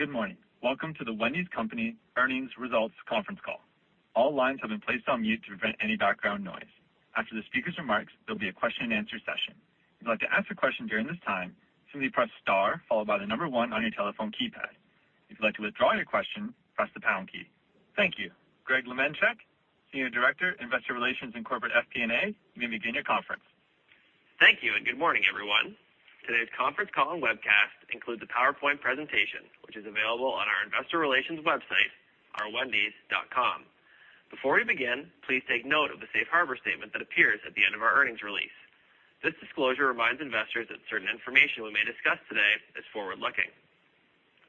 Good morning. Welcome to The Wendy's Company Earnings Results Conference Call. All lines have been placed on mute to prevent any background noise. After the speaker's remarks, there'll be a question-and-answer session. If you'd like to ask a question during this time, simply press star followed by the number one on your telephone keypad. If you'd like to withdraw your question, press the pound key. Thank you. Greg Lemenchick, Senior Director, Investor Relations and Corporate FP&A, you may begin your conference. Thank you, and good morning, everyone. Today's conference call and webcast includes a PowerPoint presentation, which is available on our investor relations website, ir.wendys.com. Before we begin, please take note of the safe harbor statement that appears at the end of our earnings release. This disclosure reminds investors that certain information we may discuss today is forward-looking.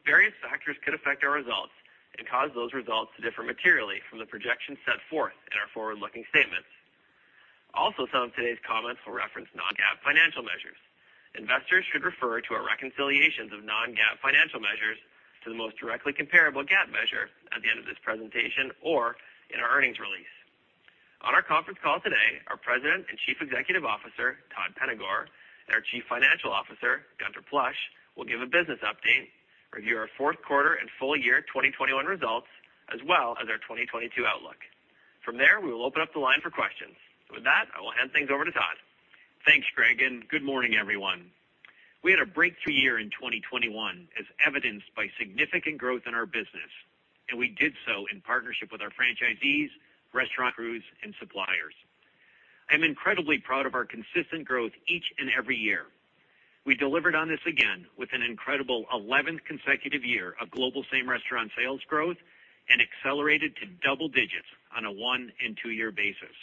Various factors could affect our results and cause those results to differ materially from the projections set forth in our forward-looking statements. Also, some of today's comments will reference non-GAAP financial measures. Investors should refer to our reconciliations of non-GAAP financial measures to the most directly comparable GAAP measure at the end of this presentation or in our earnings release. On our conference call today, our President and Chief Executive Officer, Todd Penegor, and our Chief Financial Officer, Gunther Plosch, will give a business update, review our fourth quarter and full year 2021 results, as well as our 2022 outlook. From there, we will open up the line for questions. With that, I will hand things over to Todd. Thanks, Greg, and good morning, everyone. We had a breakthrough year in 2021, as evidenced by significant growth in our business, and we did so in partnership with our franchisees, restaurant crews, and suppliers. I'm incredibly proud of our consistent growth each and every year. We delivered on this again with an incredible 11th consecutive year of global same-restaurant sales growth and accelerated to double digits on a 1- and 2-year basis.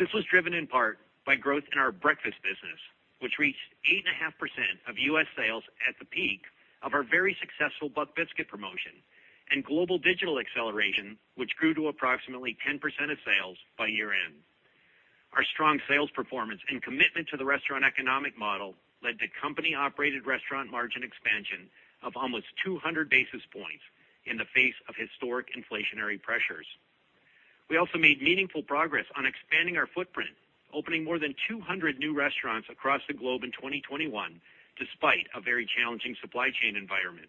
This was driven in part by growth in our breakfast business, which reached 8.5% of U.S. sales at the peak of our very successful Buck Biscuit promotion, and global digital acceleration, which grew to approximately 10% of sales by year-end. Our strong sales performance and commitment to the restaurant economic model led to company-operated restaurant margin expansion of almost 200 basis points in the face of historic inflationary pressures. We also made meaningful progress on expanding our footprint, opening more than 200 new restaurants across the globe in 2021, despite a very challenging supply chain environment.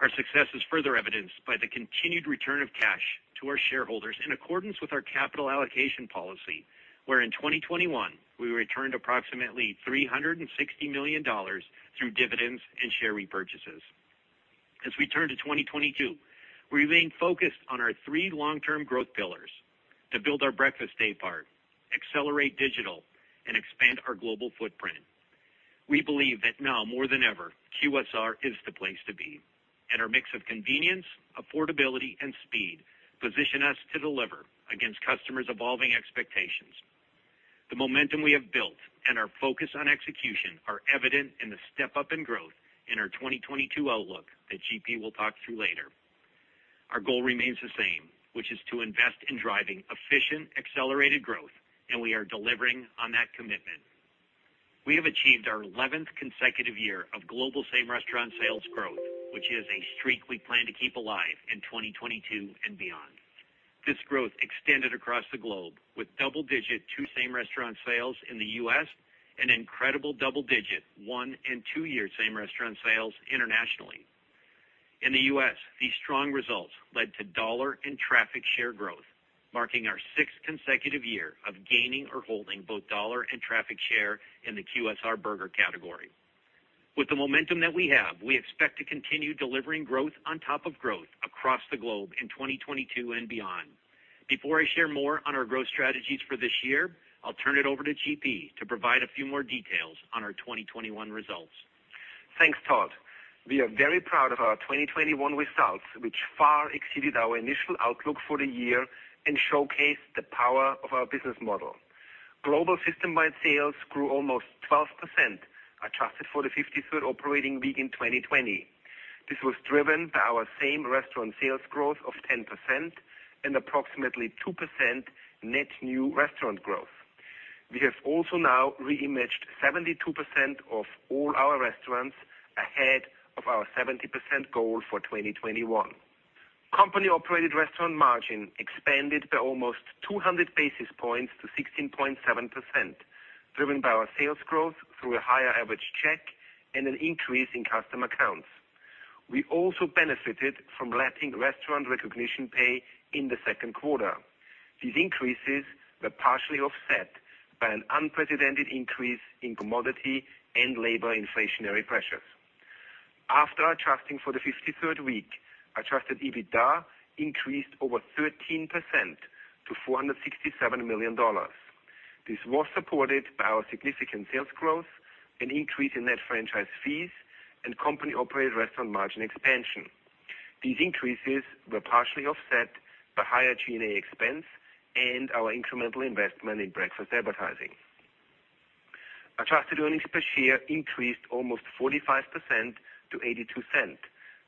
Our success is further evidenced by the continued return of cash to our shareholders in accordance with our capital allocation policy, where in 2021 we returned approximately $360 million through dividends and share repurchases. As we turn to 2022, we remain focused on our three long-term growth pillars to build our breakfast day part, accelerate digital, and expand our global footprint. We believe that now more than ever, QSR is the place to be, and our mix of convenience, affordability, and speed position us to deliver against customers' evolving expectations. The momentum we have built and our focus on execution are evident in the step-up in growth in our 2022 outlook that GP will talk through later. Our goal remains the same, which is to invest in driving efficient, accelerated growth, and we are delivering on that commitment. We have achieved our eleventh consecutive year of global same-restaurant sales growth, which is a streak we plan to keep alive in 2022 and beyond. This growth extended across the globe with double-digit SRS in the U.S., an incredible double-digit 1- and 2-year same-restaurant sales internationally. In the U.S., these strong results led to dollar and traffic share growth, marking our sixth consecutive year of gaining or holding both dollar and traffic share in the QSR burger category. With the momentum that we have, we expect to continue delivering growth on top of growth across the globe in 2022 and beyond. Before I share more on our growth strategies for this year, I'll turn it over to GP to provide a few more details on our 2021 results. Thanks, Todd. We are very proud of our 2021 results, which far exceeded our initial outlook for the year and showcased the power of our business model. Global system-wide sales grew almost 12%, adjusted for the 53rd operating week in 2020. This was driven by our same-restaurant sales growth of 10% and approximately 2% net new restaurant growth. We have also now re-imaged 72% of all our restaurants ahead of our 70% goal for 2021. Company-operated restaurant margin expanded by almost 200 basis points to 16.7%, driven by our sales growth through a higher average check and an increase in customer counts. We also benefited from lapping restaurant recognition pay in the second quarter. These increases were partially offset by an unprecedented increase in commodity and labor inflationary pressures. After adjusting for the 53rd week, adjusted EBITDA increased over 13% to $467 million. This was supported by our significant sales growth, an increase in net franchise fees, and company-operated restaurant margin expansion. These increases were partially offset by higher G&A expense and our incremental investment in breakfast advertising. Adjusted earnings per share increased almost 45% to $0.82.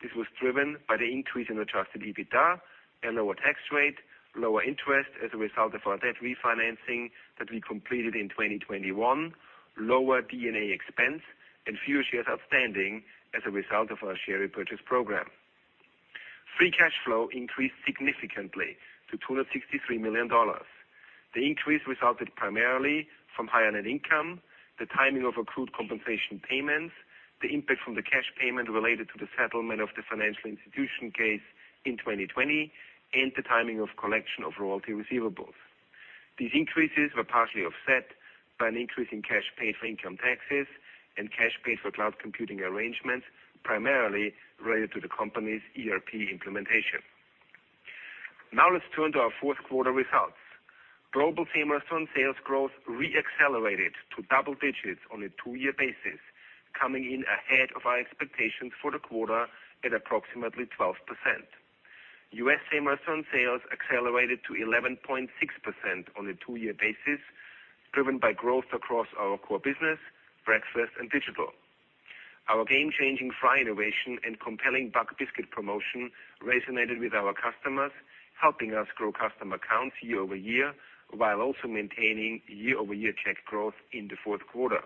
This was driven by the increase in adjusted EBITDA and lower tax rate, lower interest as a result of our debt refinancing that we completed in 2021, lower D&A expense, and fewer shares outstanding as a result of our share repurchase program. Free cash flow increased significantly to $263 million. The increase resulted primarily from higher net income, the timing of accrued compensation payments, the impact from the cash payment related to the settlement of the financial institution case in 2020, and the timing of collection of royalty receivables. These increases were partially offset by an increase in cash paid for income taxes and cash paid for cloud computing arrangements, primarily related to the company's ERP implementation. Now let's turn to our fourth quarter results. Global Same-Restaurant Sales growth re-accelerated to double digits on a two-year basis, coming in ahead of our expectations for the quarter at approximately 12%. U.S. Same-Restaurant Sales accelerated to 11.6% on a two-year basis, driven by growth across our core business, breakfast and digital. Our game-changing fry innovation and compelling Buck Biscuit promotion resonated with our customers, helping us grow customer counts year-over-year, while also maintaining year-over-year check growth in the fourth quarter.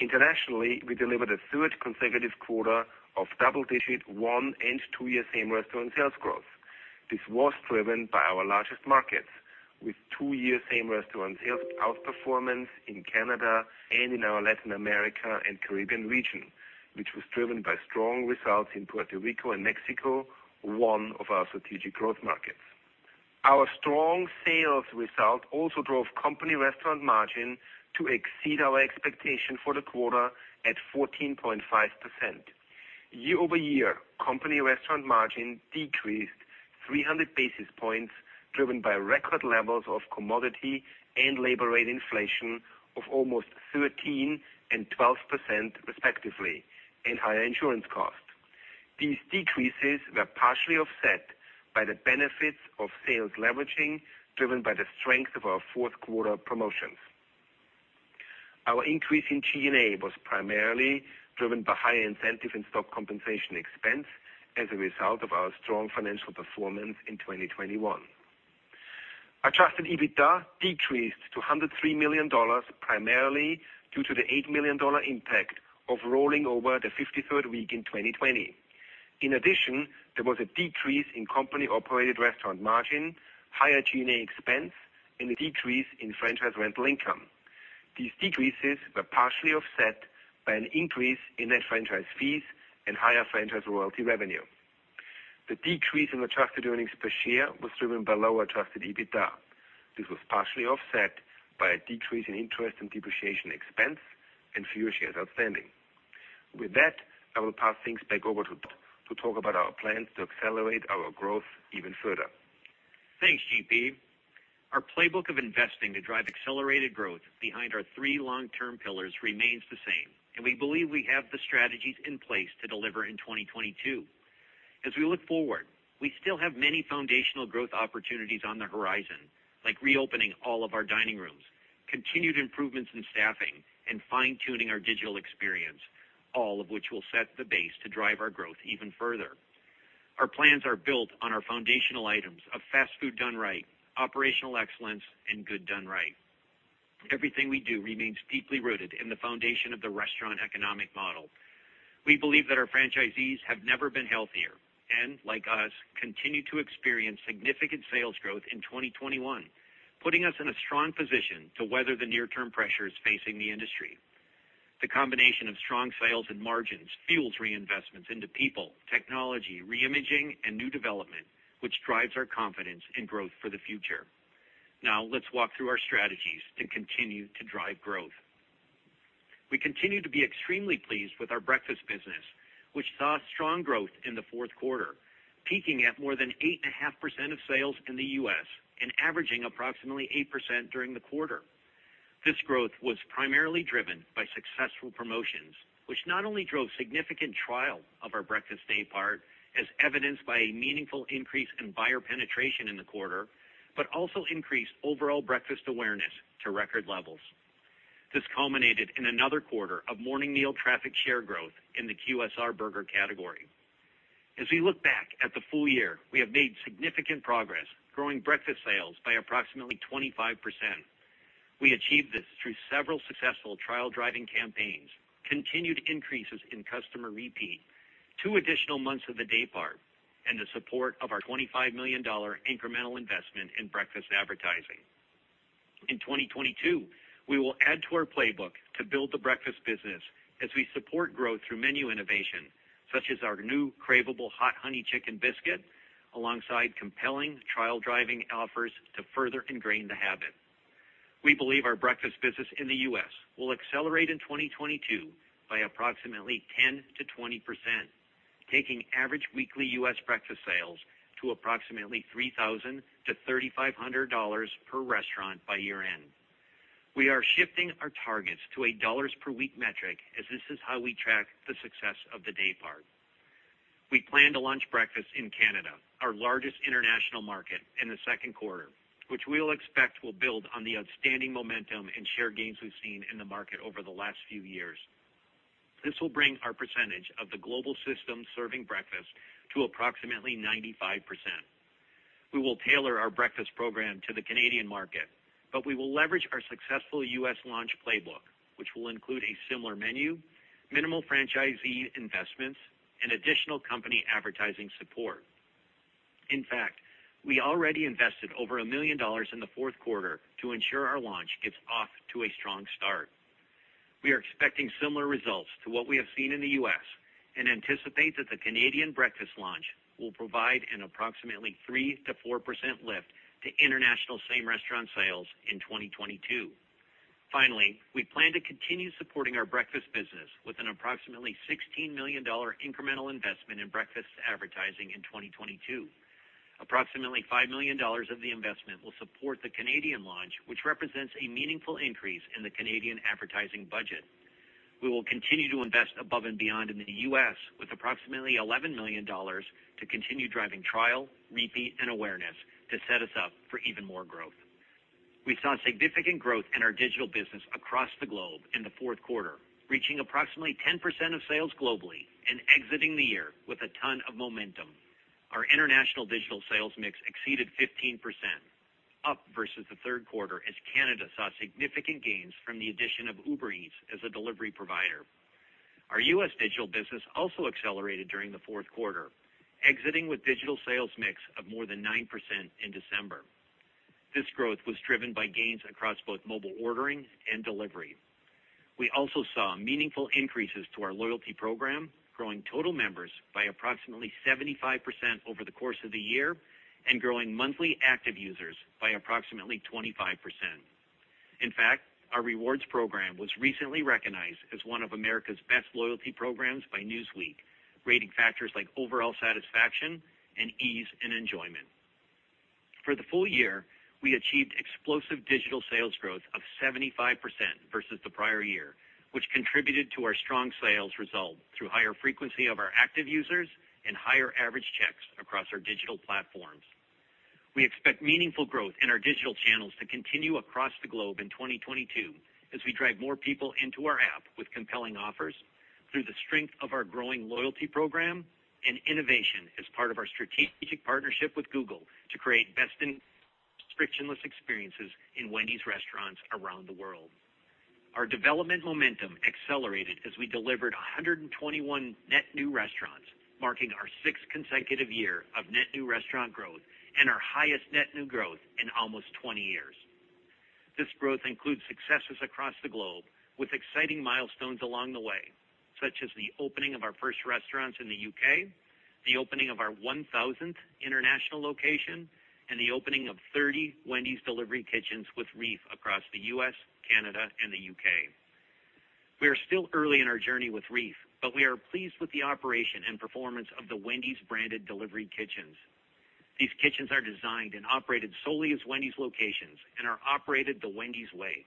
Internationally, we delivered a third consecutive quarter of double-digit one-year and two-year same-restaurant sales growth. This was driven by our largest markets, with two-year same-restaurant sales outperformance in Canada and in our Latin America and Caribbean region, which was driven by strong results in Puerto Rico and Mexico, one of our strategic growth markets. Our strong sales results also drove company-restaurant margin to exceed our expectation for the quarter at 14.5%. Year-over-year, company-restaurant margin decreased 300 basis points, driven by record levels of commodity and labor rate inflation of almost 13% and 12% respectively, and higher insurance costs. These decreases were partially offset by the benefits of sales leveraging, driven by the strength of our fourth quarter promotions. Our increase in G&A was primarily driven by higher incentive and stock compensation expense as a result of our strong financial performance in 2021. Adjusted EBITDA decreased to $103 million, primarily due to the $8 million impact of rolling over the 53rd week in 2020. In addition, there was a decrease in company-operated restaurant margin, higher G&A expense, and a decrease in franchise rental income. These decreases were partially offset by an increase in net franchise fees and higher franchise royalty revenue. The decrease in adjusted earnings per share was driven by lower adjusted EBITDA. This was partially offset by a decrease in interest and depreciation expense and fewer shares outstanding. With that, I will pass things back over to Todd to talk about our plans to accelerate our growth even further. Thanks, GP. Our playbook of investing to drive accelerated growth behind our three long-term pillars remains the same, and we believe we have the strategies in place to deliver in 2022. As we look forward, we still have many foundational growth opportunities on the horizon, like reopening all of our dining rooms, continued improvements in staffing, and fine-tuning our digital experience, all of which will set the base to drive our growth even further. Our plans are built on our foundational items of fast food done right, operational excellence, and good done right. Everything we do remains deeply rooted in the foundation of the restaurant economic model. We believe that our franchisees have never been healthier and, like us, continue to experience significant sales growth in 2021, putting us in a strong position to weather the near-term pressures facing the industry. The combination of strong sales and margins fuels reinvestments into people, technology, reimaging, and new development, which drives our confidence in growth for the future. Now let's walk through our strategies to continue to drive growth. We continue to be extremely pleased with our breakfast business, which saw strong growth in the fourth quarter, peaking at more than 8.5% of sales in the U.S. and averaging approximately 8% during the quarter. This growth was primarily driven by successful promotions, which not only drove significant trial of our breakfast day part, as evidenced by a meaningful increase in buyer penetration in the quarter, but also increased overall breakfast awareness to record levels. This culminated in another quarter of morning meal traffic share growth in the QSR burger category. As we look back at the full year, we have made significant progress growing breakfast sales by approximately 25%. We achieved this through several successful trial-driving campaigns, continued increases in customer repeat, two additional months of the day part, and the support of our $25 million incremental investment in breakfast advertising. In 2022, we will add to our playbook to build the breakfast business as we support growth through menu innovation, such as our new craveable Hot Honey Chicken Biscuit, alongside compelling trial-driving offers to further ingrain the habit. We believe our breakfast business in the U.S. will accelerate in 2022 by approximately 10%-20%, taking average weekly U.S. breakfast sales to approximately $3,000-$3,500 per restaurant by year-end. We are shifting our targets to a dollars per week metric as this is how we track the success of the day part. We plan to launch breakfast in Canada, our largest international market, in the second quarter, which we'll expect will build on the outstanding momentum and share gains we've seen in the market over the last few years. This will bring our percentage of the global system serving breakfast to approximately 95%. We will tailor our breakfast program to the Canadian market, but we will leverage our successful U.S. launch playbook, which will include a similar menu, minimal franchisee investments and additional company advertising support. In fact, we already invested over $1 million in the fourth quarter to ensure our launch gets off to a strong start. We are expecting similar results to what we have seen in the U.S. and anticipate that the Canadian breakfast launch will provide an approximately 3%-4% lift to international same restaurant sales in 2022. Finally, we plan to continue supporting our breakfast business with an approximately $16 million incremental investment in breakfast advertising in 2022. Approximately $5 million of the investment will support the Canadian launch, which represents a meaningful increase in the Canadian advertising budget. We will continue to invest above and beyond in the U.S. with approximately $11 million to continue driving trial, repeat and awareness to set us up for even more growth. We saw significant growth in our digital business across the globe in the fourth quarter, reaching approximately 10% of sales globally and exiting the year with a ton of momentum. Our international digital sales mix exceeded 15%, up versus the third quarter as Canada saw significant gains from the addition of Uber Eats as a delivery provider. Our U.S. digital business also accelerated during the fourth quarter, exiting with digital sales mix of more than 9% in December. This growth was driven by gains across both mobile ordering and delivery. We also saw meaningful increases to our loyalty program, growing total members by approximately 75% over the course of the year and growing monthly active users by approximately 25%. In fact, our rewards program was recently recognized as one of America's best loyalty programs by Newsweek, rating factors like overall satisfaction and ease and enjoyment. For the full year, we achieved explosive digital sales growth of 75% versus the prior year, which contributed to our strong sales result through higher frequency of our active users and higher average checks across our digital platforms. We expect meaningful growth in our digital channels to continue across the globe in 2022 as we drive more people into our app with compelling offers through the strength of our growing loyalty program and innovation as part of our strategic partnership with Google to create best in frictionless experiences in Wendy's restaurants around the world. Our development momentum accelerated as we delivered 121 net new restaurants, marking our sixth consecutive year of net new restaurant growth and our highest net new growth in almost 20 years. This growth includes successes across the globe with exciting milestones along the way, such as the opening of our first restaurants in the U.K., the opening of our 1,000th international location, and the opening of 30 Wendy's delivery kitchens with REEF across the U.S., Canada, and the U.K. We are still early in our journey with REEF, but we are pleased with the operation and performance of the Wendy's branded delivery kitchens. These kitchens are designed and operated solely as Wendy's locations and are operated the Wendy's way.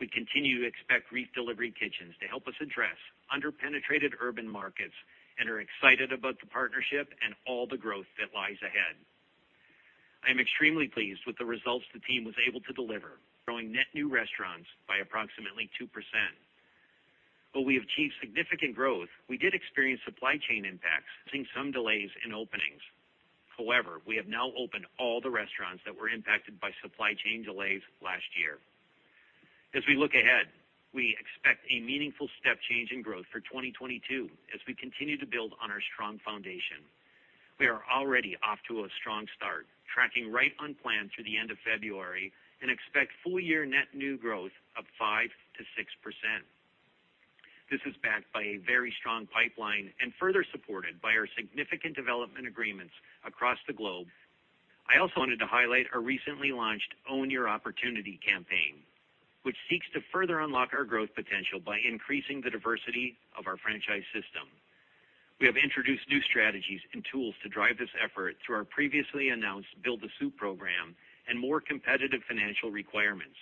We continue to expect REEF delivery kitchens to help us address under-penetrated urban markets and are excited about the partnership and all the growth that lies ahead. I am extremely pleased with the results the team was able to deliver, growing net new restaurants by approximately 2%. While we have achieved significant growth, we did experience supply chain impacts, seeing some delays in openings. However, we have now opened all the restaurants that were impacted by supply chain delays last year. As we look ahead, we expect a meaningful step change in growth for 2022 as we continue to build on our strong foundation. We are already off to a strong start, tracking right on plan through the end of February and expect full-year net new growth of 5%-6%. This is backed by a very strong pipeline and further supported by our significant development agreements across the globe. I also wanted to highlight our recently launched Own Your Opportunity campaign, which seeks to further unlock our growth potential by increasing the diversity of our franchise system. We have introduced new strategies and tools to drive this effort through our previously announced Build-to-Suit program and more competitive financial requirements.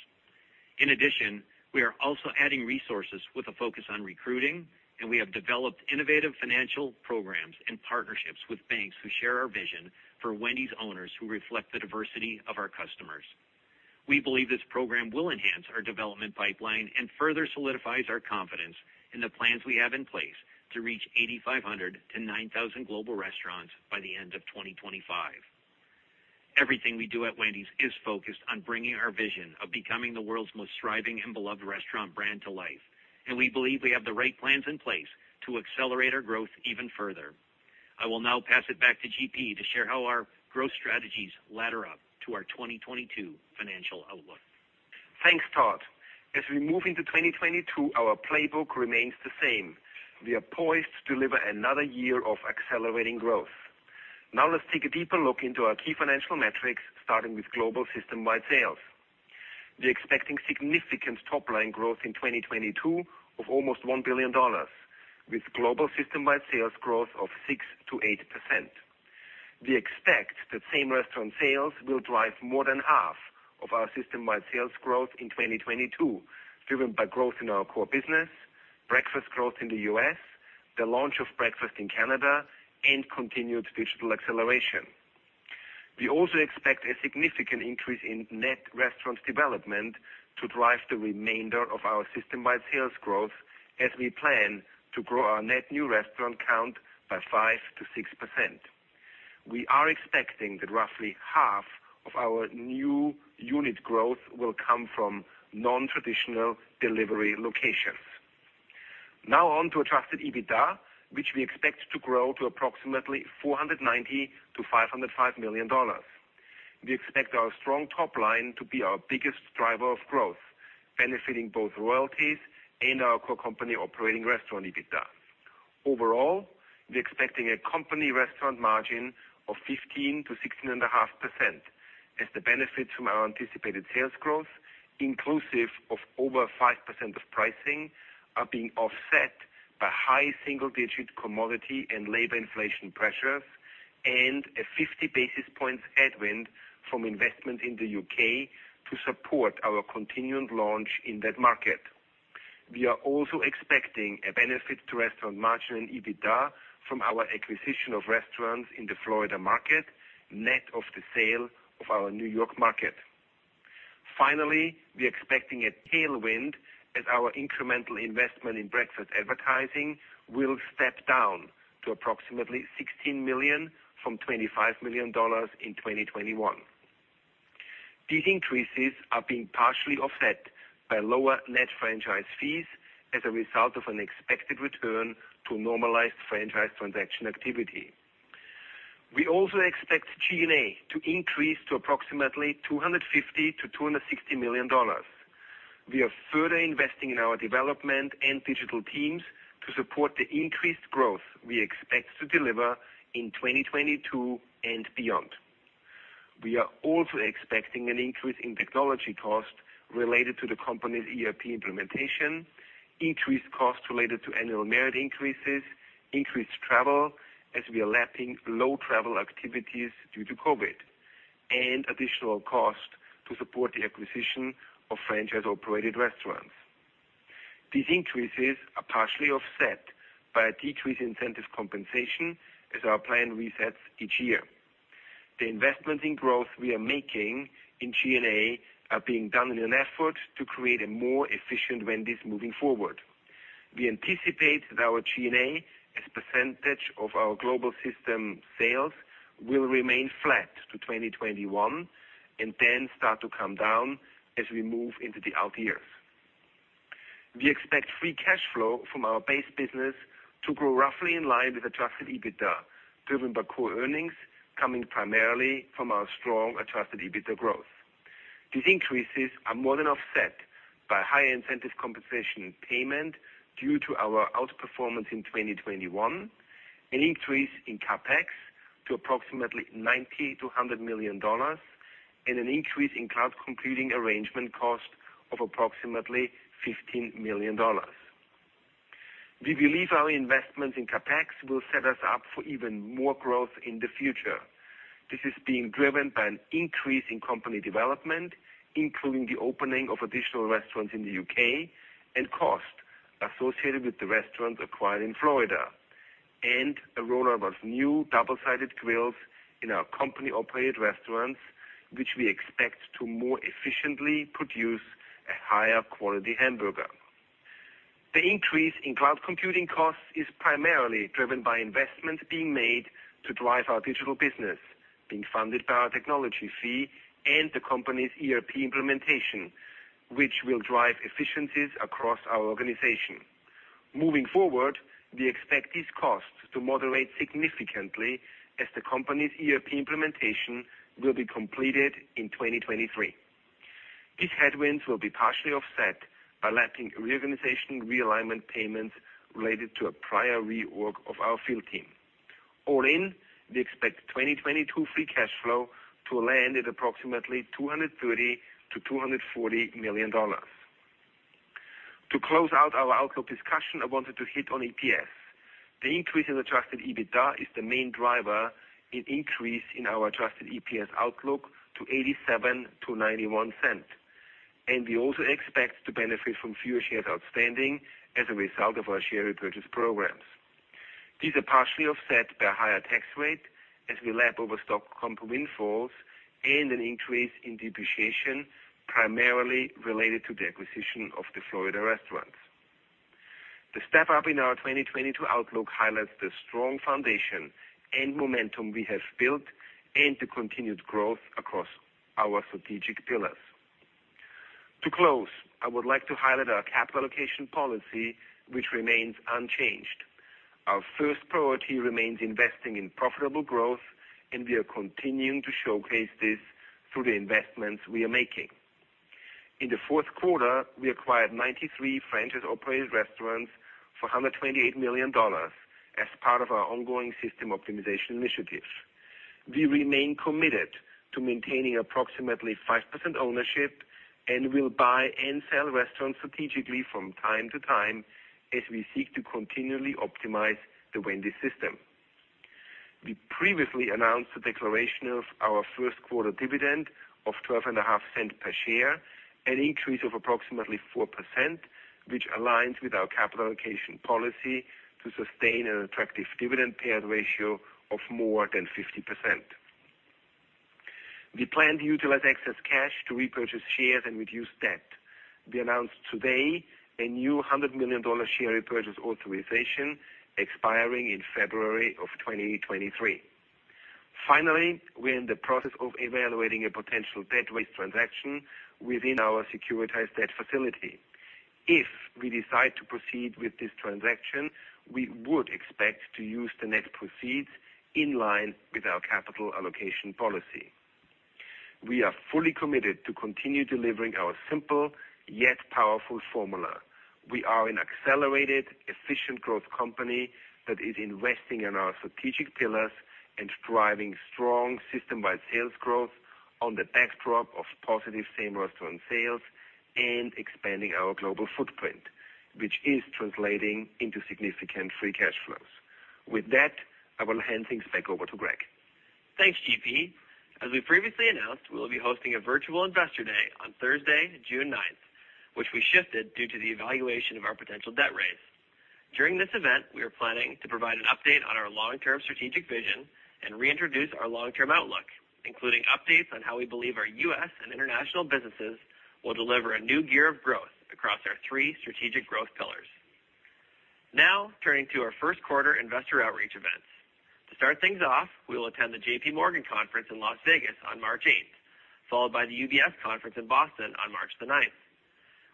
In addition, we are also adding resources with a focus on recruiting, and we have developed innovative financial programs and partnerships with banks who share our vision for Wendy's owners who reflect the diversity of our customers. We believe this program will enhance our development pipeline and further solidifies our confidence in the plans we have in place to reach 8,500-9,000 global restaurants by the end of 2025. Everything we do at Wendy's is focused on bringing our vision of becoming the world's most thriving and beloved restaurant brand to life, and we believe we have the right plans in place to accelerate our growth even further. I will now pass it back to GP to share how our growth strategies ladder up to our 2022 financial outlook. Thanks, Todd. As we move into 2022, our playbook remains the same. We are poised to deliver another year of accelerating growth. Now let's take a deeper look into our key financial metrics, starting with global system-wide sales. We're expecting significant top line growth in 2022 of almost $1 billion, with global system-wide sales growth of 6%-8%. We expect that same restaurant sales will drive more than half of our system-wide sales growth in 2022, driven by growth in our core business, breakfast growth in the U.S., the launch of breakfast in Canada, and continued digital acceleration. We also expect a significant increase in net restaurant development to drive the remainder of our system-wide sales growth as we plan to grow our net new restaurant count by 5%-6%. We are expecting that roughly half of our new unit growth will come from non-traditional delivery locations. Now on to adjusted EBITDA, which we expect to grow to approximately $490 million-$505 million. We expect our strong top line to be our biggest driver of growth, benefiting both royalties and our core company operating restaurant EBITDA. Overall, we're expecting a company restaurant margin of 15%-16.5% as the benefits from our anticipated sales growth, inclusive of over 5% of pricing, are being offset by high single-digit commodity and labor inflation pressures, and a 50 basis points headwind from investment in the U.K. to support our continued launch in that market. We are also expecting a benefit to restaurant margin and EBITDA from our acquisition of restaurants in the Florida market, net of the sale of our New York market. Finally, we're expecting a tailwind as our incremental investment in breakfast advertising will step down to approximately $16 million from $25 million in 2021. These increases are being partially offset by lower net franchise fees as a result of an expected return to normalized franchise transaction activity. We also expect G&A to increase to approximately $250 million-$260 million. We are further investing in our development and digital teams to support the increased growth we expect to deliver in 2022 and beyond. We are also expecting an increase in technology cost related to the company's ERP implementation, increased costs related to annual merit increases, increased travel as we are lapping low travel activities due to COVID, and additional cost to support the acquisition of franchise-operated restaurants. These increases are partially offset by a decrease in incentive compensation as our plan resets each year. The investment in growth we are making in G&A are being done in an effort to create a more efficient Wendy's moving forward. We anticipate that our G&A, as percentage of our global system sales, will remain flat to 2021, and then start to come down as we move into the out years. We expect free cash flow from our base business to grow roughly in line with adjusted EBITDA, driven by core earnings coming primarily from our strong adjusted EBITDA growth. These increases are more than offset by higher incentive compensation payment due to our outperformance in 2021, an increase in CapEx to approximately $90 million-$100 million, and an increase in cloud computing arrangement cost of approximately $15 million. We believe our investment in CapEx will set us up for even more growth in the future. This is being driven by an increase in company development, including the opening of additional restaurants in the U.K. and cost associated with the restaurants acquired in Florida, and a roll-out of new double-sided grills in our company-operated restaurants, which we expect to more efficiently produce a higher quality hamburger. The increase in cloud computing costs is primarily driven by investments being made to drive our digital business, being funded by our technology fee and the company's ERP implementation, which will drive efficiencies across our organization. Moving forward, we expect these costs to moderate significantly as the company's ERP implementation will be completed in 2023. These headwinds will be partially offset by lapping reorganization realignment payments related to a prior reorg of our field team. All in, we expect 2022 free cash flow to land at approximately $230 million-$240 million. To close out our outlook discussion, I wanted to hit on EPS. The increase in adjusted EBITDA is the main driver of the increase in our adjusted EPS outlook to $0.87-$0.91. We also expect to benefit from fewer shares outstanding as a result of our share repurchase programs. These are partially offset by a higher tax rate as we lap over stock comp windfalls and an increase in depreciation, primarily related to the acquisition of the Florida restaurants. The step-up in our 2022 outlook highlights the strong foundation and momentum we have built and the continued growth across our strategic pillars. To close, I would like to highlight our capital allocation policy, which remains unchanged. Our first priority remains investing in profitable growth, and we are continuing to showcase this through the investments we are making. In the fourth quarter, we acquired 93 franchise-operated restaurants for $128 million as part of our ongoing system optimization initiative. We remain committed to maintaining approximately 5% ownership and will buy and sell restaurants strategically from time to time as we seek to continually optimize the Wendy's system. We previously announced the declaration of our first quarter dividend of 12.5 cents per share, an increase of approximately 4%, which aligns with our capital allocation policy to sustain an attractive dividend payout ratio of more than 50%. We plan to utilize excess cash to repurchase shares and reduce debt. We announced today a new $100 million share repurchase authorization expiring in February of 2023. Finally, we're in the process of evaluating a potential debt raise transaction within our securitized debt facility. If we decide to proceed with this transaction, we would expect to use the net proceeds in line with our capital allocation policy. We are fully committed to continue delivering our simple yet powerful formula. We are an accelerated, efficient growth company that is investing in our strategic pillars and driving strong system-wide sales growth on the backdrop of positive same restaurant sales and expanding our global footprint, which is translating into significant free cash flows. With that, I will hand things back over to Greg. Thanks, GP. As we previously announced, we will be hosting a virtual investor day on Thursday, June 9, which we shifted due to the evaluation of our potential debt raise. During this event, we are planning to provide an update on our long-term strategic vision and reintroduce our long-term outlook, including updates on how we believe our U.S. and international businesses will deliver a new year of growth across our three strategic growth pillars. Now turning to our first quarter investor outreach events. To start things off, we will attend the JP Morgan conference in Las Vegas on March 8, followed by the UBS conference in Boston on March 9.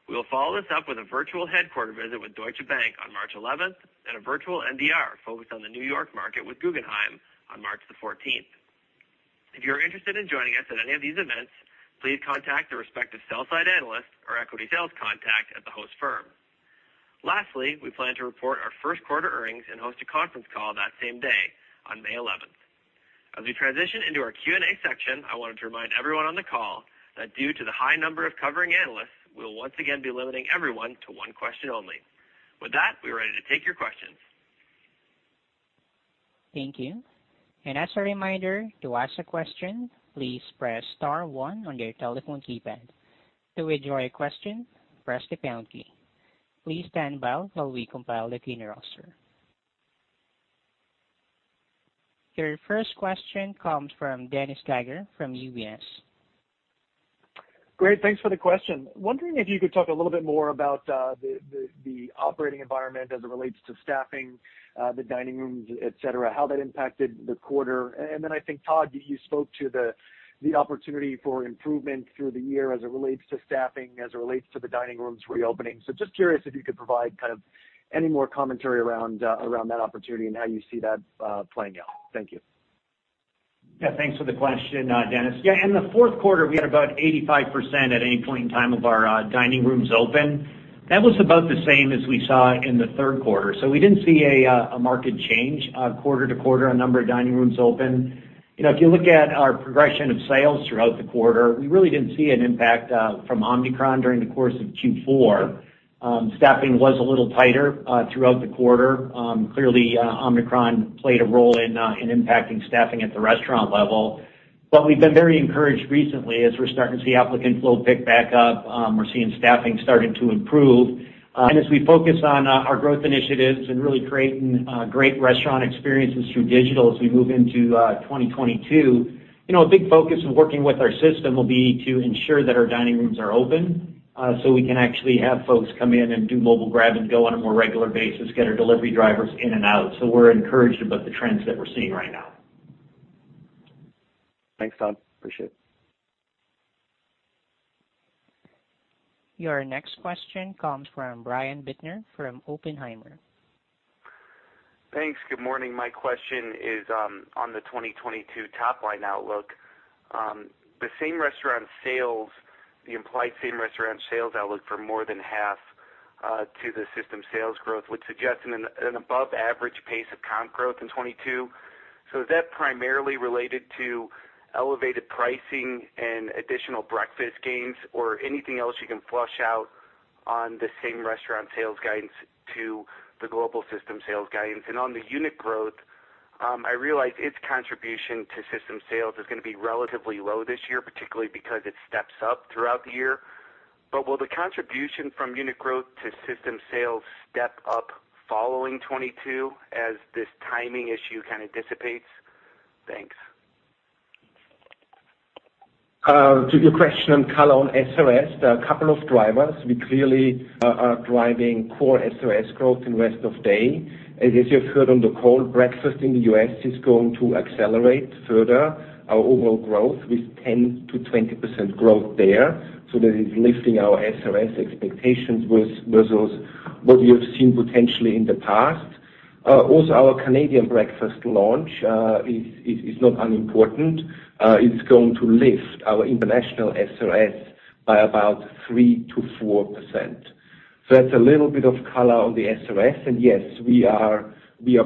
We will follow this up with a virtual headquarters visit with Deutsche Bank on March 11, and a virtual NDR focused on the New York market with Guggenheim on March 14. If you're interested in joining us at any of these events, please contact the respective sell side analyst or equity sales contact at the host firm. Lastly, we plan to report our first quarter earnings and host a conference call that same day on May eleventh. As we transition into our Q&A section, I wanted to remind everyone on the call that due to the high number of covering analysts, we'll once again be limiting everyone to one question only. With that, we are ready to take your questions. Thank you. As a reminder, to ask a question, please press star one on your telephone keypad. To withdraw your question, press the pound key. Please stand by while we compile the caller roster. Your first question comes from Dennis Geiger from UBS. Great, thanks for the question. Wondering if you could talk a little bit more about the operating environment as it relates to staffing, the dining rooms, et cetera, how that impacted the quarter. I think, Todd, you spoke to the opportunity for improvement through the year as it relates to staffing, as it relates to the dining rooms reopening. Just curious if you could provide kind of any more commentary around that opportunity and how you see that playing out. Thank you. Yeah, thanks for the question, Dennis Geiger. Yeah, in the fourth quarter, we had about 85% at any point in time of our dining rooms open. That was about the same as we saw in the third quarter. We didn't see a market change quarter to quarter on number of dining rooms open. You know, if you look at our progression of sales throughout the quarter, we really didn't see an impact from Omicron during the course of Q4. Staffing was a little tighter throughout the quarter. Clearly, Omicron played a role in impacting staffing at the restaurant level. We've been very encouraged recently as we're starting to see applicant flow pick back up. We're seeing staffing starting to improve. As we focus on our growth initiatives and really creating great restaurant experiences through digital as we move into 2022, you know, a big focus of working with our system will be to ensure that our dining rooms are open, so we can actually have folks come in and do mobile grab and go on a more regular basis, get our delivery drivers in and out. We're encouraged about the trends that we're seeing right now. Thanks, Todd. Appreciate it. Your next question comes from Brian Bittner from Oppenheimer. Thanks. Good morning. My question is on the 2022 top line outlook. The same restaurant sales, the implied same restaurant sales outlook for more than half to the system sales growth, would suggest an above average pace of comp growth in 2022. Is that primarily related to elevated pricing and additional breakfast gains or anything else you can flesh out on the same restaurant sales guidance to the global system sales guidance? On the unit growth, I realize its contribution to system sales is gonna be relatively low this year, particularly because it steps up throughout the year. Will the contribution from unit growth to system sales step up following 2022 as this timing issue kind of dissipates? Thanks. To your question, color on SOS, there are a couple of drivers. We clearly are driving core SOS growth in rest of day. As you've heard on the call, breakfast in the U.S. is going to accelerate further our overall growth with 10%-20% growth there. That is lifting our SOS expectations with what we have seen potentially in the past. Also our Canadian breakfast launch is not unimportant. It's going to lift our international SOS by about 3%-4%. That's a little bit of color on the SOS. Yes, we are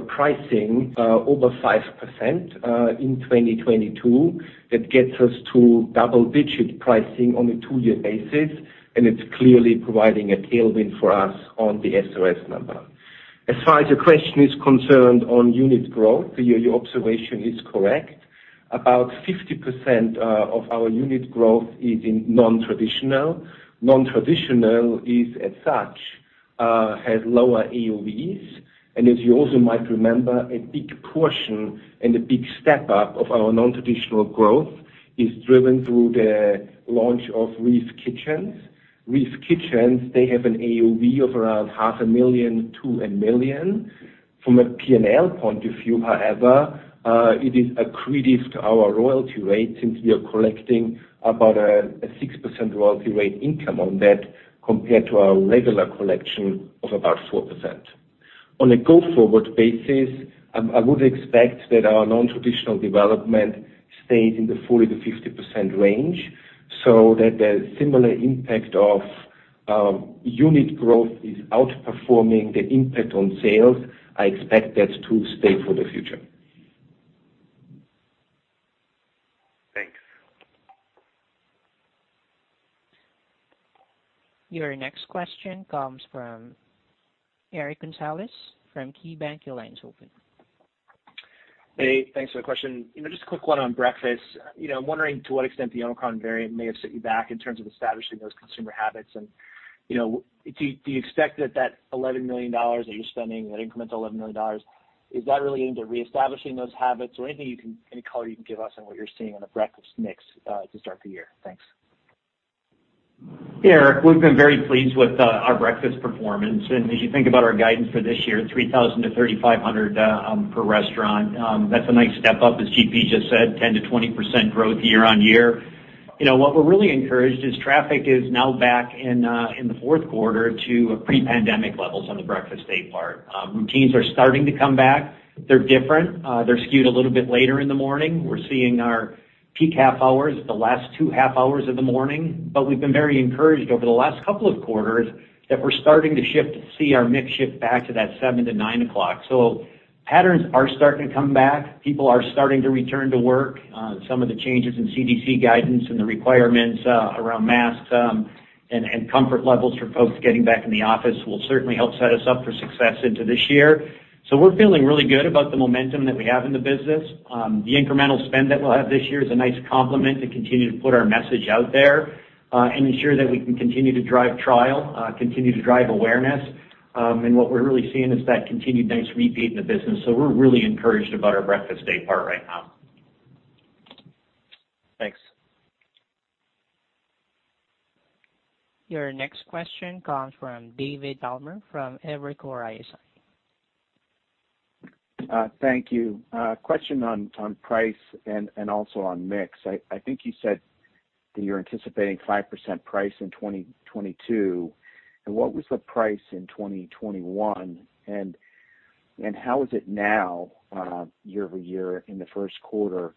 pricing over 5% in 2022. That gets us to double-digit pricing on a two-year basis, and it's clearly providing a tailwind for us on the SOS number. As far as your question is concerned on unit growth, your observation is correct. About 50% of our unit growth is in non-traditional. Non-traditional is as such Has lower AOVs. As you also might remember, a big portion and a big step up of our nontraditional growth is driven through the launch of REEF Kitchens. REEF Kitchens, they have an AUV of around $0.5 million-$1 million. From a P&L point of view, however, it is accretive to our royalty rate since we are collecting about a 6% royalty rate income on that compared to our regular collection of about 4%. On a go-forward basis, I would expect that our nontraditional development stays in the 40%-50% range, so that the similar impact of unit growth is outperforming the impact on sales. I expect that to stay for the future. Thanks. Your next question comes from Eric Gonzalez from KeyBanc. Your line is open. Hey, thanks for the question. You know, just a quick one on breakfast. You know, I'm wondering to what extent the Omicron variant may have set you back in terms of establishing those consumer habits. You know, do you expect that $11 million that you're spending, that incremental $11 million, is that really into reestablishing those habits or any color you can give us on what you're seeing on the breakfast mix, to start the year? Thanks. Yeah, Eric, we've been very pleased with our breakfast performance. As you think about our guidance for this year, 3,000-3,500 per restaurant, that's a nice step up. As GP just said, 10%-20% growth year-over-year. You know, what we're really encouraged is traffic is now back in the fourth quarter to pre-pandemic levels on the breakfast day part. Routines are starting to come back. They're different. They're skewed a little bit later in the morning. We're seeing our peak half hours at the last two half hours of the morning. But we've been very encouraged over the last couple of quarters that we're starting to shift, see our mix shift back to that 7 to 9 o'clock. Patterns are starting to come back. People are starting to return to work. Some of the changes in CDC guidance and the requirements around masks, and comfort levels for folks getting back in the office will certainly help set us up for success into this year. We're feeling really good about the momentum that we have in the business. The incremental spend that we'll have this year is a nice complement to continue to put our message out there, and ensure that we can continue to drive trial, continue to drive awareness. What we're really seeing is that continued nice repeat in the business. We're really encouraged about our breakfast day part right now. Thanks. Your next question comes from David Palmer from Evercore ISI. Thank you. A question on price and also on mix. I think you said that you're anticipating 5% price in 2022. What was the price in 2021? How is it now, year-over-year in the first quarter?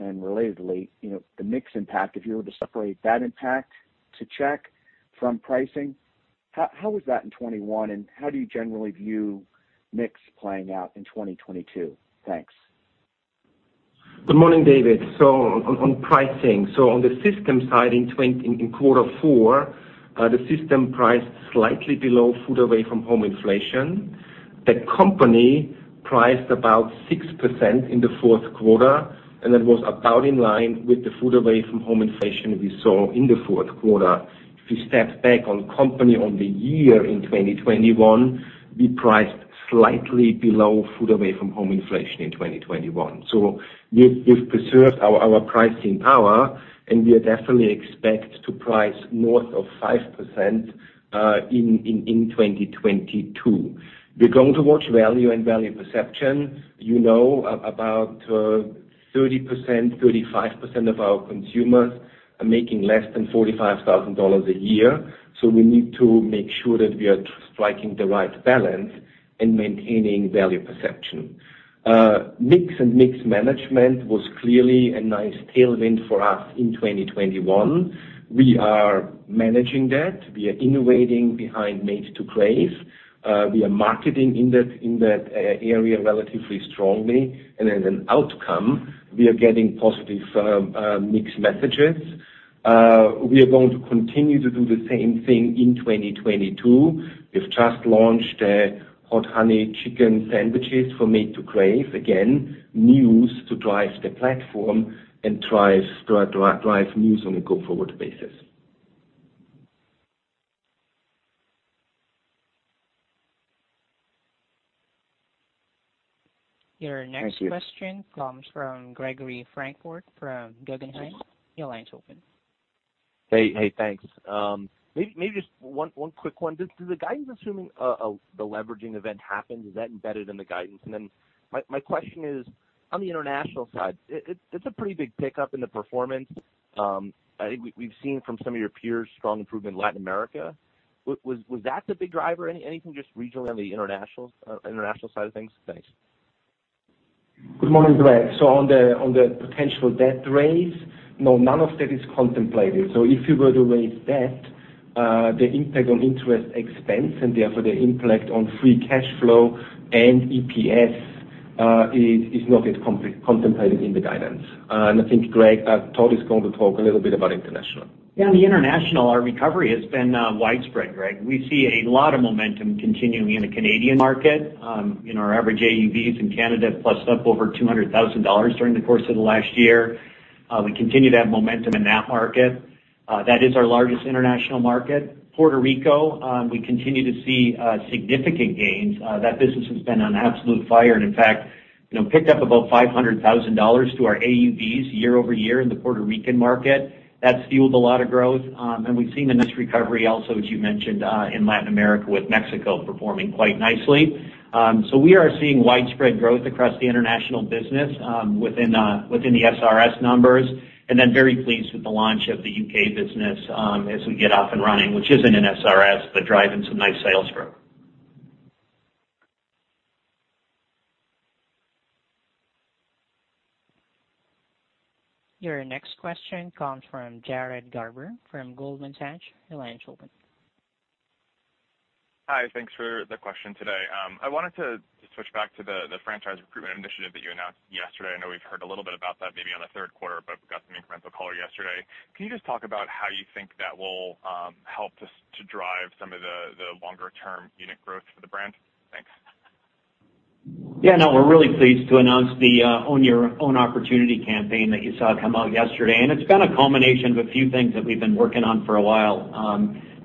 Relatedly, you know, the mix impact, if you were to separate that impact to the check from pricing, how was that in 2021, and how do you generally view mix playing out in 2022? Thanks. Good morning, David. On pricing, on the system side in quarter four, the system priced slightly below food away from home inflation. The company priced about 6% in the fourth quarter, and that was about in line with the food away from home inflation we saw in the fourth quarter. If you step back on company on the year in 2021, we priced slightly below food away from home inflation in 2021. We've preserved our pricing power, and we definitely expect to price north of 5% in 2022. We're going to watch value and value perception. You know, about 30%, 35% of our consumers are making less than $45,000 a year. We need to make sure that we are striking the right balance and maintaining value perception. Mix and mix management was clearly a nice tailwind for us in 2021. We are managing that. We are innovating behind Made to Crave. We are marketing in that area relatively strongly. As an outcome, we are getting positive mix messages. We are going to continue to do the same thing in 2022. We've just launched Hot Honey Chicken Sandwich for Made to Crave. Again, news to drive the platform and drive news on a go-forward basis. Your next question comes from Gregory Francfort from Guggenheim. Your line's open. Hey, thanks. Maybe just one quick one. Does the guidance assuming the leveraging event happens, is that embedded in the guidance? My question is on the international side, it's a pretty big pickup in the performance. I think we've seen from some of your peers strong improvement in Latin America. Was that the big driver? Anything just regionally on the international side of things? Thanks. Good morning, Greg. On the potential debt raise, no, none of that is contemplated. If you were to raise debt, the impact on interest expense and therefore the impact on free cash flow and EPS is not yet contemplated in the guidance. I think Greg, Todd is going to talk a little bit about international. Yeah, on the international, our recovery has been widespread, Greg. We see a lot of momentum continuing in the Canadian market. You know, our average AUVs in Canada plussed up over $200,000 during the course of the last year. We continue to have momentum in that market. That is our largest international market. Puerto Rico, we continue to see significant gains. That business has been on absolute fire, and in fact, you know, picked up about $500,000 to our AUVs year over year in the Puerto Rican market. That's fueled a lot of growth. We've seen in this recovery also, as you mentioned, in Latin America with Mexico performing quite nicely. We are seeing widespread growth across the international business within the SRS numbers, and then very pleased with the launch of the U.K. business as we get up and running, which isn't an SRS, but driving some nice sales growth. Your next question comes from Jared Garber from Goldman Sachs, Hi, thanks for the question today. I wanted to switch back to the franchise recruitment initiative that you announced yesterday. I know we've heard a little bit about that maybe on the third quarter, but got some incremental color yesterday. Can you just talk about how you think that will help to drive some of the longer-term unit growth for the brand? Thanks. Yeah, no, we're really pleased to announce the Own Your Opportunity campaign that you saw come out yesterday. It's been a culmination of a few things that we've been working on for a while.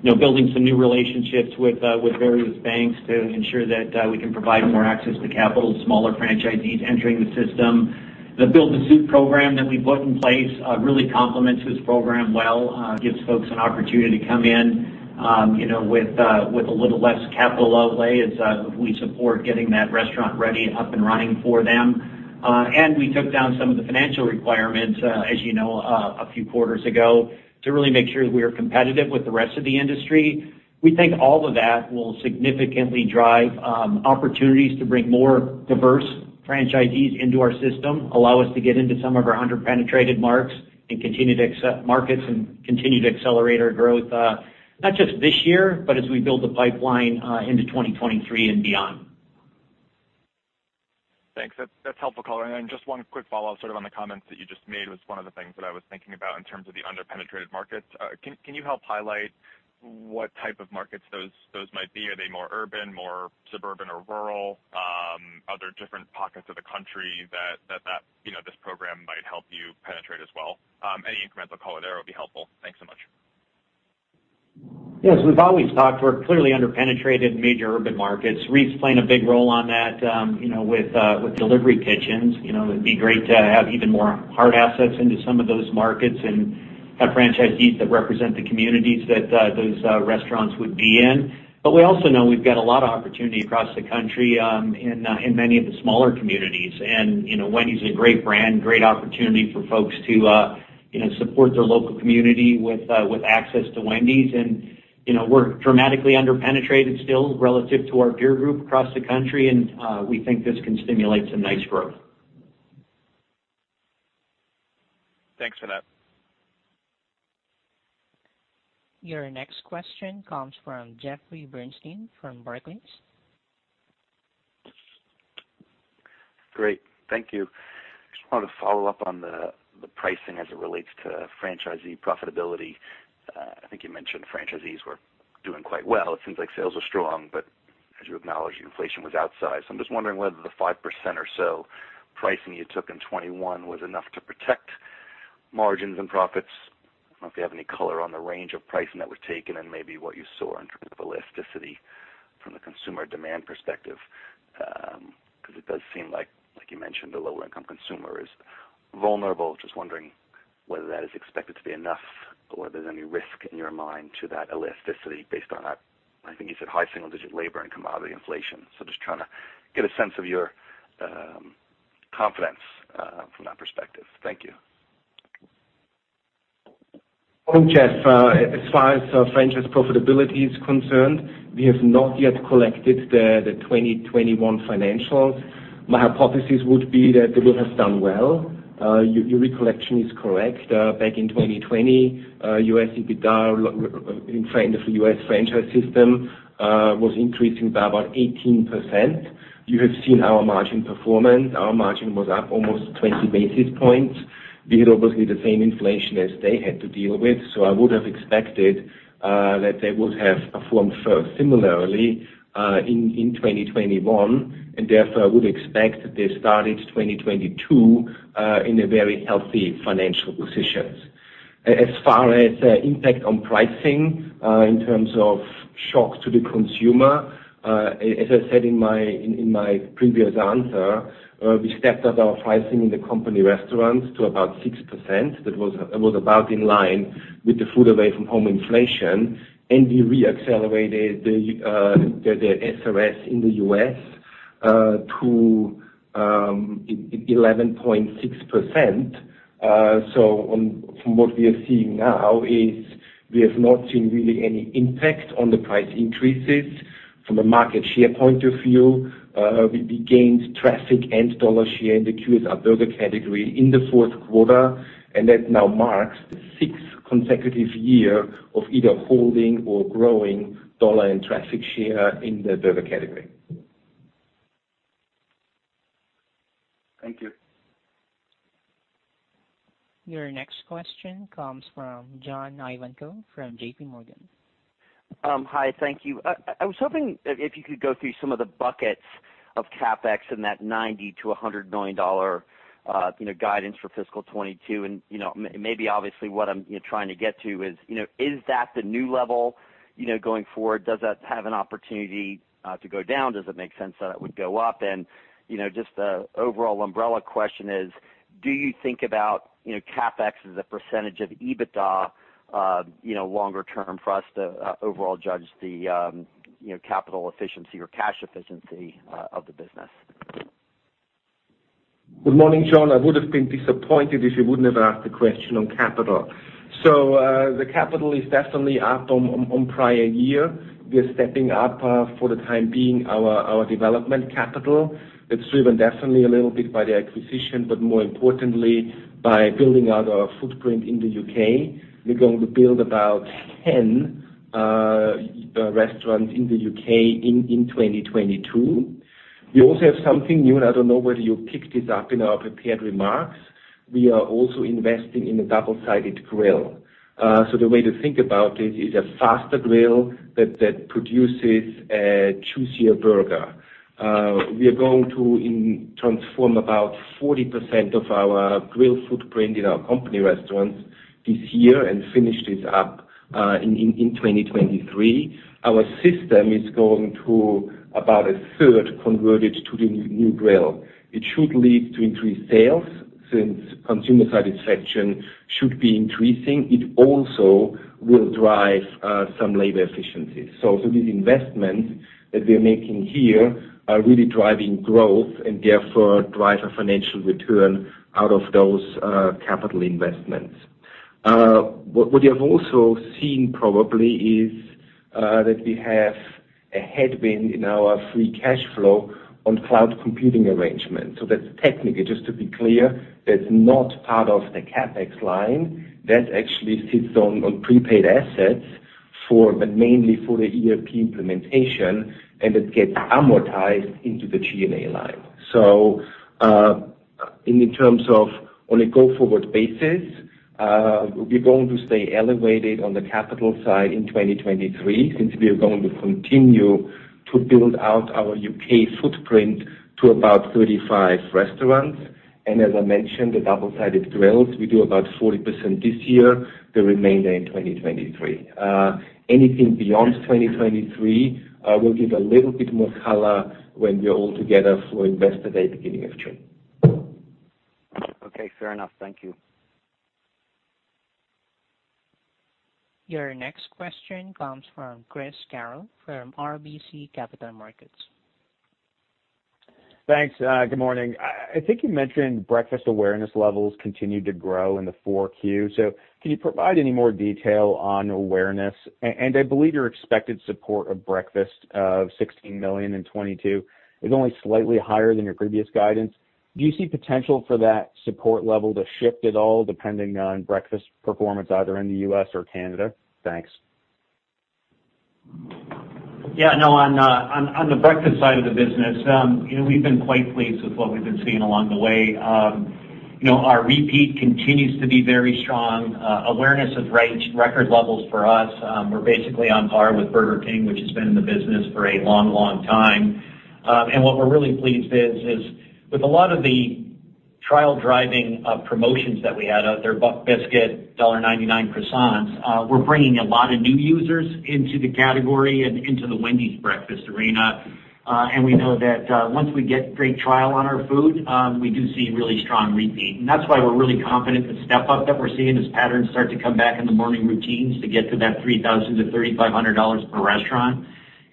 You know, building some new relationships with various banks to ensure that we can provide more access to capital to smaller franchisees entering the system. The Build-to-Suit program that we put in place really complements this program well, gives folks an opportunity to come in, you know, with a little less capital outlay as we support getting that restaurant ready and up and running for them. We took down some of the financial requirements, as you know, a few quarters ago to really make sure we are competitive with the rest of the industry. We think all of that will significantly drive opportunities to bring more diverse franchisees into our system, allow us to get into some of our under-penetrated markets and continue to expand markets and continue to accelerate our growth, not just this year, but as we build the pipeline into 2023 and beyond. Thanks. That's helpful color. Just one quick follow-up sort of on the comments that you just made, was one of the things that I was thinking about in terms of the under-penetrated markets. Can you help highlight what type of markets those might be? Are they more urban, more suburban or rural? Are there different pockets of the country that you know this program might help you penetrate as well? Any incremental color there would be helpful. Thanks so much. Yes, we've always talked, we're clearly under-penetrated in major urban markets. REEF playing a big role on that, you know, with delivery kitchens. You know, it'd be great to have even more hard assets into some of those markets and have franchisees that represent the communities that those restaurants would be in. We also know we've got a lot of opportunity across the country in many of the smaller communities. You know, Wendy's a great brand, great opportunity for folks to you know, support their local community with access to Wendy's. You know, we're dramatically under-penetrated still relative to our peer group across the country, and we think this can stimulate some nice growth. Thanks for that. Your next question comes from Jeffrey Bernstein from Barclays. Great. Thank you. Just wanted to follow up on the pricing as it relates to franchisee profitability. I think you mentioned franchisees were doing quite well. It seems like sales are strong, but as you acknowledged, inflation was outsized. I'm just wondering whether the 5% or so pricing you took in 2021 was enough to protect margins and profits. I don't know if you have any color on the range of pricing that was taken and maybe what you saw in terms of elasticity from the consumer demand perspective. 'Cause it does seem like you mentioned, the lower income consumer is vulnerable. Just wondering whether that is expected to be enough or whether there's any risk in your mind to that elasticity based on that, I think you said high single-digit labor and commodity inflation. Just trying to get a sense of your confidence from that perspective. Thank you. Well, Jeff, as far as our franchise profitability is concerned, we have not yet collected the 2021 financials. My hypothesis would be that they will have done well. Your recollection is correct. Back in 2020, U.S. EBITDA in the U.S. franchise system was increasing by about 18%. You have seen our margin performance. Our margin was up almost 20 basis points. We had obviously the same inflation as they had to deal with, so I would have expected that they would have performed similarly in 2021, and therefore I would expect that they started 2022 in a very healthy financial positions. As far as impact on pricing, in terms of shock to the consumer, as I said in my previous answer, we stepped up our pricing in the company restaurants to about 6%. That was about in line with the food away from home inflation, and we re-accelerated the SRS in the U.S. to 11.6%. From what we are seeing now is we have not seen really any impact on the price increases. From a market share point of view, we gained traffic and dollar share in the QSR burger category in the fourth quarter, and that now marks the sixth consecutive year of either holding or growing dollar and traffic share in the burger category. Thank you. Your next question comes from John Ivankoe from JPMorgan. Hi. Thank you. I was hoping if you could go through some of the buckets of CapEx in that $90 million-$100 million guidance for fiscal 2022. You know, maybe obviously what I'm trying to get to is, you know, is that the new level going forward? Does that have an opportunity to go down? Does it make sense that it would go up? You know, just the overall umbrella question is, do you think about CapEx as a percentage of EBITDA longer term for us to overall judge the capital efficiency or cash efficiency of the business? Good morning, John. I would have been disappointed if you wouldn't have asked a question on capital. The capital is definitely up on prior year. We are stepping up, for the time being, our development capital. It's driven definitely a little bit by the acquisition, but more importantly, by building out our footprint in the U.K. We're going to build about 10 restaurants in the U.K. in 2022. We also have something new, and I don't know whether you picked this up in our prepared remarks. We are also investing in a double-sided grill. The way to think about it is a faster grill that produces a juicier burger. We are going to transform about 40% of our grill footprint in our company restaurants this year and finish this up in 2023. Our system is going to about a third converted to the new grill. It should lead to increased sales since consumer satisfaction should be increasing. It also will drive some labor efficiencies. These investments that we are making here are really driving growth, and therefore drive a financial return out of those capital investments. What you have also seen probably is that we have a headwind in our free cash flow on cloud computing arrangements. That's technically, just to be clear, not part of the CapEx line. That actually sits on prepaid assets, but mainly for the ERP implementation, and it gets amortized into the G&A line. In terms of on a go-forward basis, we're going to stay elevated on the capital side in 2023 since we are going to continue to build out our U.K. footprint to about 35 restaurants. As I mentioned, the double-sided grills, we do about 40% this year, the remainder in 2023. Anything beyond 2023, we'll give a little bit more color when we're all together for Investor Day, beginning of June. Okay, fair enough. Thank you. Your next question comes from Christopher Carril from RBC Capital Markets. Thanks. Good morning. I think you mentioned breakfast awareness levels continued to grow in the Q4. Can you provide any more detail on awareness? And I believe your expected support of breakfast of $16 million in 2022 is only slightly higher than your previous guidance. Do you see potential for that support level to shift at all, depending on breakfast performance either in the U.S. or Canada? Thanks. On the breakfast side of the business, you know, we've been quite pleased with what we've been seeing along the way. You know, our repeat continues to be very strong. Awareness is record levels for us. We're basically on par with Burger King, which has been in the business for a long, long time. What we're really pleased is with a lot of the trial driving promotions that we had out there, Buck Biscuit, $1.99 croissants, we're bringing a lot of new users into the category and into the Wendy's breakfast arena. We know that once we get great trial on our food, we do see really strong repeat. That's why we're really confident the step up that we're seeing as patterns start to come back in the morning routines to get to that $3,000-$3,500 per restaurant.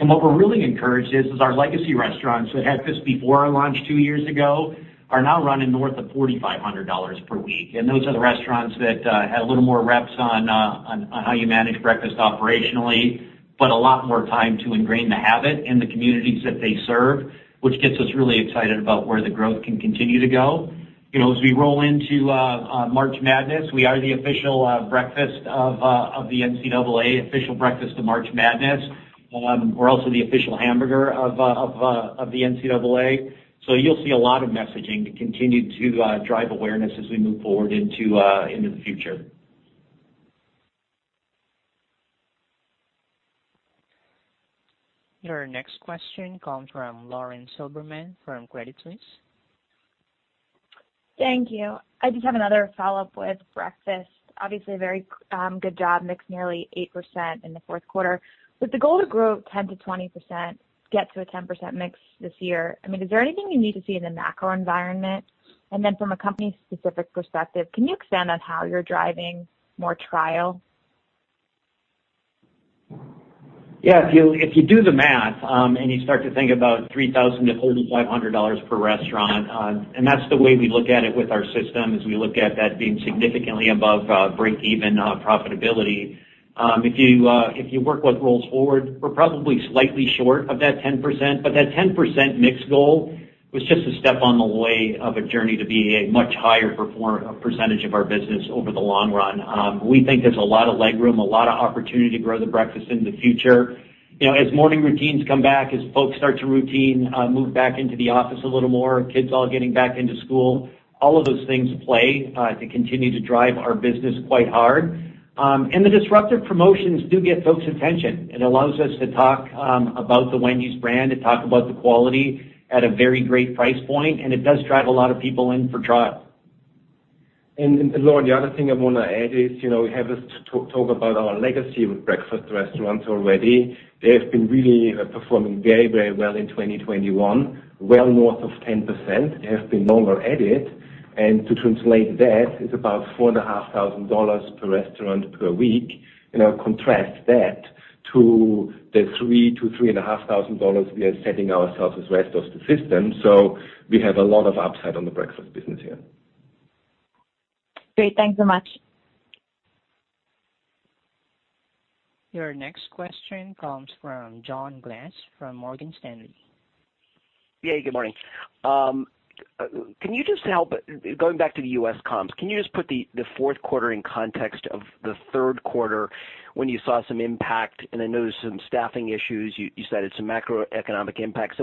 What we're really encouraged is our legacy restaurants that had this before our launch two years ago are now running north of $4,500 per week. Those are the restaurants that had a little more reps on how you manage breakfast operationally, but a lot more time to ingrain the habit in the communities that they serve, which gets us really excited about where the growth can continue to go. You know, as we roll into March Madness, we are the official breakfast of the NCAA, official breakfast of March Madness. We're also the official hamburger of the NCAA. You'll see a lot of messaging to continue to drive awareness as we move forward into the future. Your next question comes from Lauren Silberman from Credit Suisse. Thank you. I just have another follow-up with breakfast. Obviously, very good job. Mix nearly 8% in the fourth quarter. With the goal to grow 10%-20%, get to a 10% mix this year, I mean, is there anything you need to see in the macro environment? From a company-specific perspective, can you expand on how you're driving more trial? Yeah. If you do the math, and you start to think about $3,000-$3,500 per restaurant, and that's the way we look at it with our system, is we look at that being significantly above break-even profitability. If you work what rolls forward, we're probably slightly short of that 10%. That 10% mix goal was just a step on the way of a journey to be a much higher percentage of our business over the long run. We think there's a lot of leg room, a lot of opportunity to grow the breakfast into the future. You know, as morning routines come back, as folks start to routine, move back into the office a little more, kids all getting back into school, all of those things play, to continue to drive our business quite hard. The disruptive promotions do get folks' attention and allows us to talk about the Wendy's brand and talk about the quality at a very great price point, and it does drive a lot of people in for trial. Lauren, the other thing I wanna add is, you know, we have this talk about our legacy with breakfast restaurants already. They have been really performing very well in 2021, well north of 10%. They have been normalized. To translate that, it's about $4,500 per restaurant per week. You know, contrast that to the $3,000-$3,500 we are setting ourselves for the rest of the system. We have a lot of upside on the breakfast business here. Great. Thanks so much. Your next question comes from John Glass from Morgan Stanley. Yeah, good morning. Going back to the U.S. comps, can you just put the fourth quarter in context of the third quarter when you saw some impact, and I know there's some staffing issues, you cited some macroeconomic impact.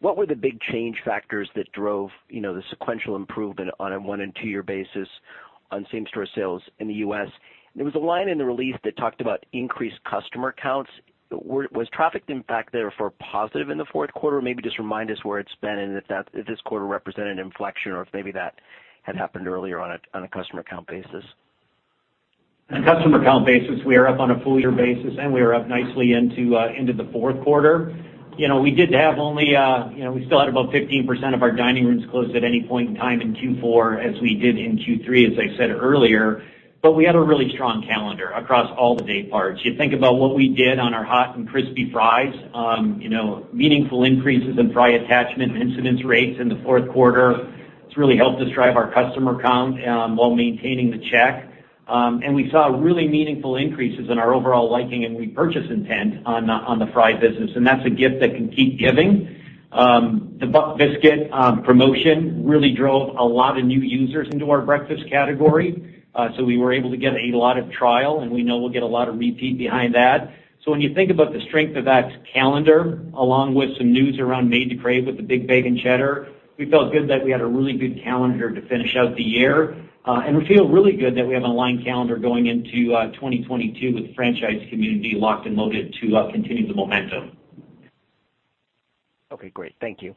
What were the big change factors that drove, you know, the sequential improvement on a one and two year basis on same store sales in the U.S.? There was a line in the release that talked about increased customer counts. Was traffic impact therefore positive in the fourth quarter? Maybe just remind us where it's been and if this quarter represented inflection or if maybe that had happened earlier on a customer count basis. On a customer count basis, we are up on a full year basis, and we are up nicely into the fourth quarter. You know, we did have only, you know, we still had about 15% of our dining rooms closed at any point in time in Q4 as we did in Q3, as I said earlier, but we had a really strong calendar across all the day parts. You think about what we did on our hot and crispy fries, you know, meaningful increases in fry attachment and incidence rates in the fourth quarter. It's really helped us drive our customer count, while maintaining the check. And we saw really meaningful increases in our overall liking and repurchase intent on the fry business, and that's a gift that can keep giving. The Buck Biscuit promotion really drove a lot of new users into our breakfast category. We were able to get a lot of trial, and we know we'll get a lot of repeat behind that. When you think about the strength of that calendar, along with some news around Made to Crave with the Big Bacon Cheddar, we felt good that we had a really good calendar to finish out the year. We feel really good that we have an aligned calendar going into 2022 with the franchise community locked and loaded to continue the momentum. Okay, great. Thank you.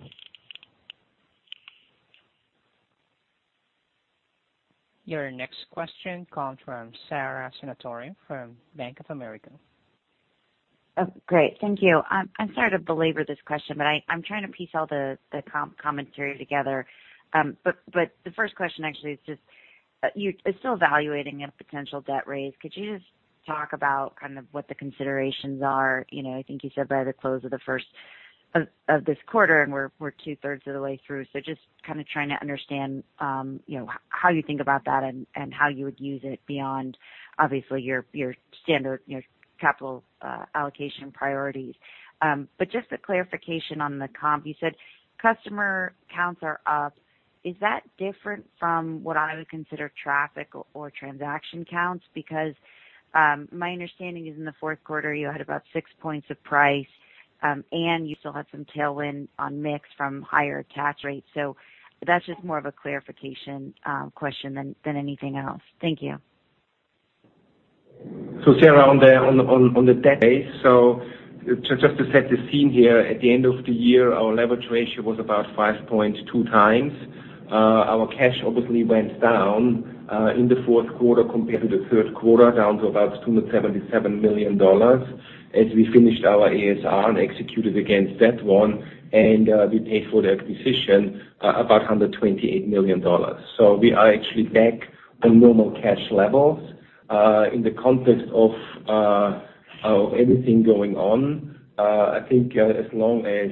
Your next question comes from Sara Senatore from Bank of America. Oh, great. Thank you. I'm sorry to belabor this question, but I'm trying to piece all the commentary together. The first question actually is are you still evaluating a potential debt raise. Could you just talk about kind of what the considerations are? You know, I think you said by the close of the first quarter, and we're two-thirds of the way through. Just kind of trying to understand, you know, how you think about that and how you would use it beyond, obviously, your standard, you know, capital allocation priorities. Just a clarification on the comp. You said customer counts are up. Is that different from what I would consider traffic or transaction counts? Because my understanding is in the fourth quarter, you had about 6 points of price, and you still had some tailwind on mix from higher attach rates. That's just more of a clarification question than anything else. Thank you. Sarah, on the debt base, just to set the scene here, at the end of the year, our leverage ratio was about 5.2 times. Our cash obviously went down in the fourth quarter compared to the third quarter, down to about $277 million as we finished our ASR and executed against that one, and we paid for the acquisition about $128 million. We are actually back on normal cash levels. In the context of everything going on, I think, as long as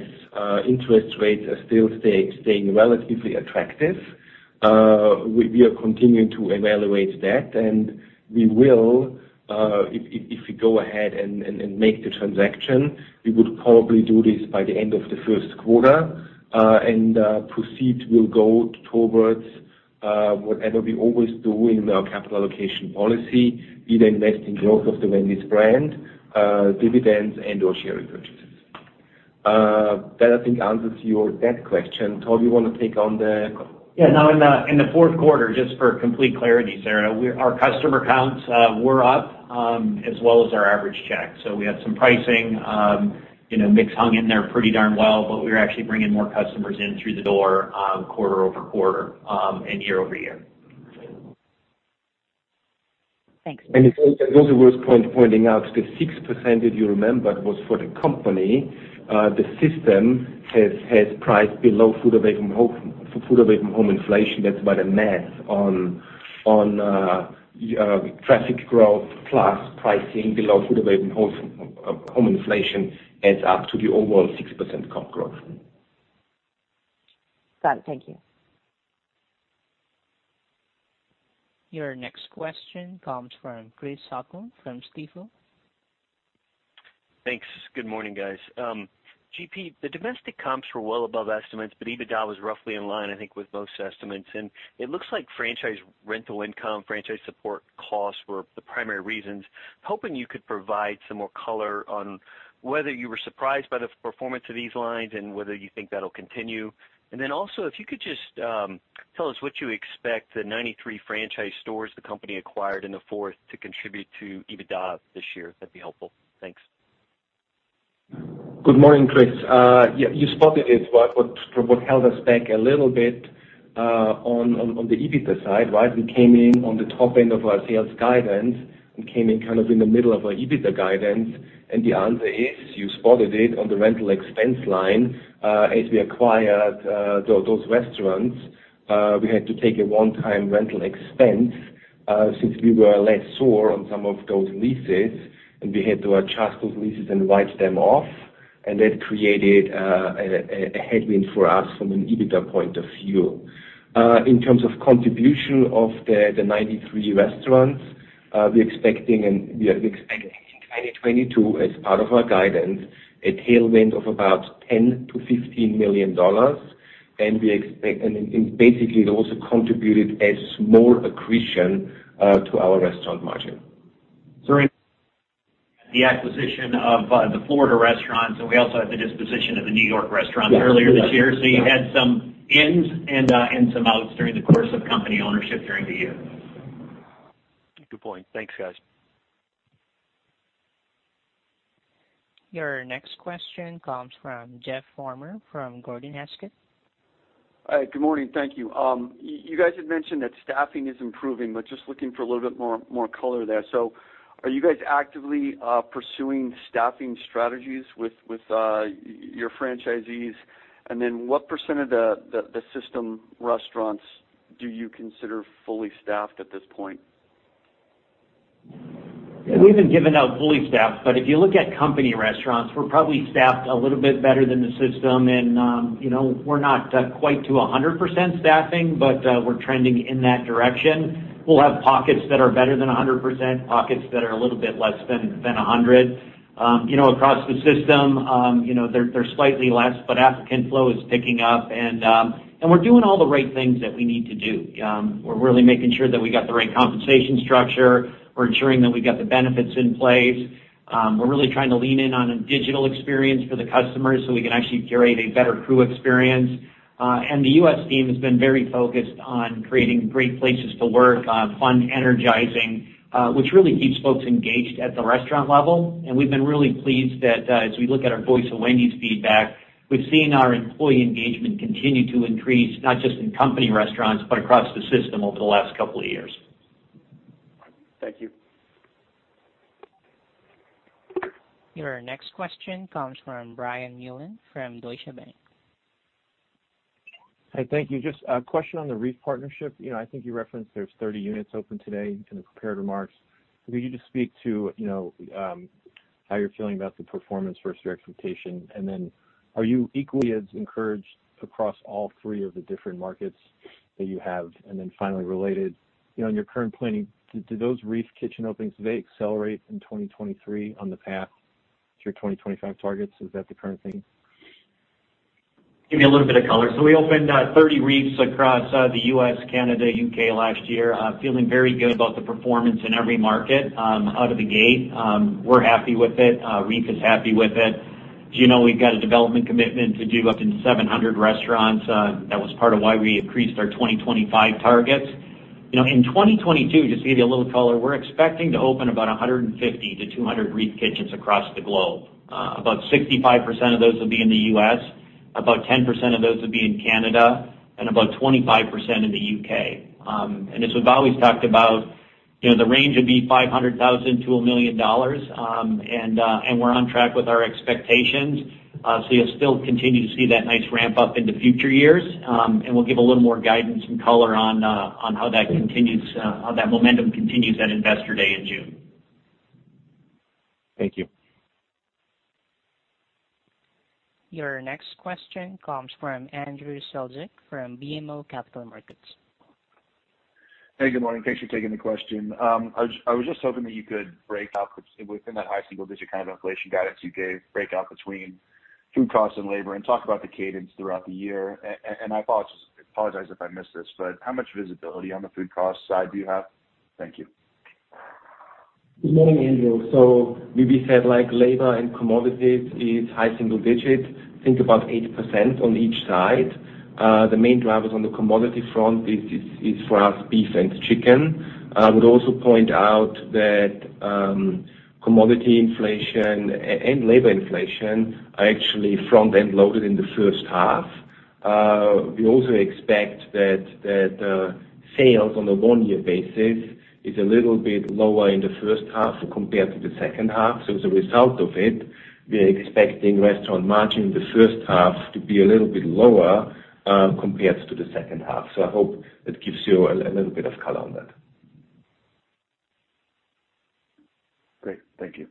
interest rates are still staying relatively attractive, we are continuing to evaluate that. We will, if we go ahead and make the transaction, we would probably do this by the end of the first quarter, and proceeds will go towards whatever we always do in our capital allocation policy, either investing in growth of the Wendy's brand, dividends and/or share repurchases. That I think answers your debt question. Todd, you wanna take on the In the fourth quarter, just for complete clarity, Sarah, our customer counts were up as well as our average check. We had some pricing, you know, mix hung in there pretty darn well, but we were actually bringing more customers in through the door quarter-over-quarter and year-over-year. Thanks. It's also worth pointing out the 6%, if you remember, was for the company. The system has priced below food away from home inflation. That's by the math on traffic growth plus pricing below food away from home inflation adds up to the overall 6% comp growth. Got it. Thank you. Your next question comes from Chris O'Cull from Stifel. Thanks. Good morning, guys. GP, the domestic comps were well above estimates, but EBITDA was roughly in line, I think, with most estimates. It looks like franchise rental income, franchise support costs were the primary reasons. Hoping you could provide some more color on whether you were surprised by the performance of these lines and whether you think that'll continue. Then also, if you could just tell us what you expect the 93 franchise stores the company acquired in the fourth to contribute to EBITDA this year, that'd be helpful. Thanks. Good morning, Chris. Yeah, you spotted it. What held us back a little bit on the EBITDA side, right? We came in on the top end of our sales guidance and came in kind of in the middle of our EBITDA guidance. The answer is, you spotted it, on the rental expense line. As we acquired those restaurants, we had to take a one-time rental expense, since we were lessor on some of those leases, and we had to adjust those leases and write them off, and that created a headwind for us from an EBITDA point of view. In terms of the contribution of the 93 restaurants, we are expecting in 2022 as part of our guidance, a tailwind of about $10 million-$15 million, and basically, it also contributed a small accretion to our restaurant margin. During the acquisition of the Florida restaurants, and we also had the disposition of the New York restaurants earlier this year. You had some ins and some outs during the course of company ownership during the year. Good point. Thanks, guys. Your next question comes from Jeff Farmer from Gordon Haskett. Hi. Good morning. Thank you. You guys had mentioned that staffing is improving, but just looking for a little bit more color there. Are you guys actively pursuing staffing strategies with your franchisees? What % of the system restaurants do you consider fully staffed at this point? We haven't given out fully staffed, but if you look at company restaurants, we're probably staffed a little bit better than the system. You know, we're not quite to 100% staffing, but we're trending in that direction. We'll have pockets that are better than 100%, pockets that are a little bit less than 100%. You know, across the system, you know, they're slightly less, but applicant flow is picking up and we're doing all the right things that we need to do. We're really making sure that we got the right compensation structure. We're ensuring that we got the benefits in place. We're really trying to lean in on a digital experience for the customers so we can actually curate a better crew experience. The U.S. team has been very focused on creating great places to work, fun, energizing, which really keeps folks engaged at the restaurant level. We've been really pleased that, as we look at our Voice of Wendy's feedback, we've seen our employee engagement continue to increase, not just in company restaurants, but across the system over the last couple of years. Thank you. Your next question comes from Brian Mullan from Deutsche Bank. Hi, thank you. Just a question on the REEF partnership. You know, I think you referenced there's 30 units open today in the prepared remarks. Could you just speak to, you know, how you're feeling about the performance versus your expectation? And then are you equally as encouraged across all three of the different markets that you have? And then finally, related, you know, in your current planning, do those REEF kitchen openings, do they accelerate in 2023 on the path to your 2025 targets? Is that the current thinking? give you a little bit of color. We opened 30 REEF across the U.S., Canada, U.K. last year. Feeling very good about the performance in every market out of the gate. We're happy with it. REEF is happy with it. As you know, we've got a development commitment to open 700 restaurants. That was part of why we increased our 2025 targets. You know, in 2022, just to give you a little bit of color, we're expecting to open about 150-200 REEF Kitchens across the globe. About 65% of those will be in the U.S., about 10% of those will be in Canada, and about 25% in the U.K. As we've always talked about, you know, the range would be $500,000-$1 million. We're on track with our expectations. You'll still continue to see that nice ramp up into future years. We'll give a little more guidance and color on how that continues, how that momentum continues at Investor Day in June. Thank you. Your next question comes from Andrew Strelzik from BMO Capital Markets. Hey, good morning. Thanks for taking the question. I was just hoping that you could break out within that high single digit kind of inflation guidance you gave, break out between food costs and labor and talk about the cadence throughout the year. And I apologize if I missed this, but how much visibility on the food cost side do you have? Thank you. Good morning, Andrew. We said, like, labor and commodities is high single digit. Think about 80% on each side. The main drivers on the commodity front is for us, beef and chicken. I would also point out that commodity inflation and labor inflation are actually front-end loaded in the first half. We also expect that sales on a one-year basis is a little bit lower in the first half compared to the second half. As a result of it, we are expecting restaurant margin in the first half to be a little bit lower compared to the second half. I hope that gives you a little bit of color on that. Great. Thank you.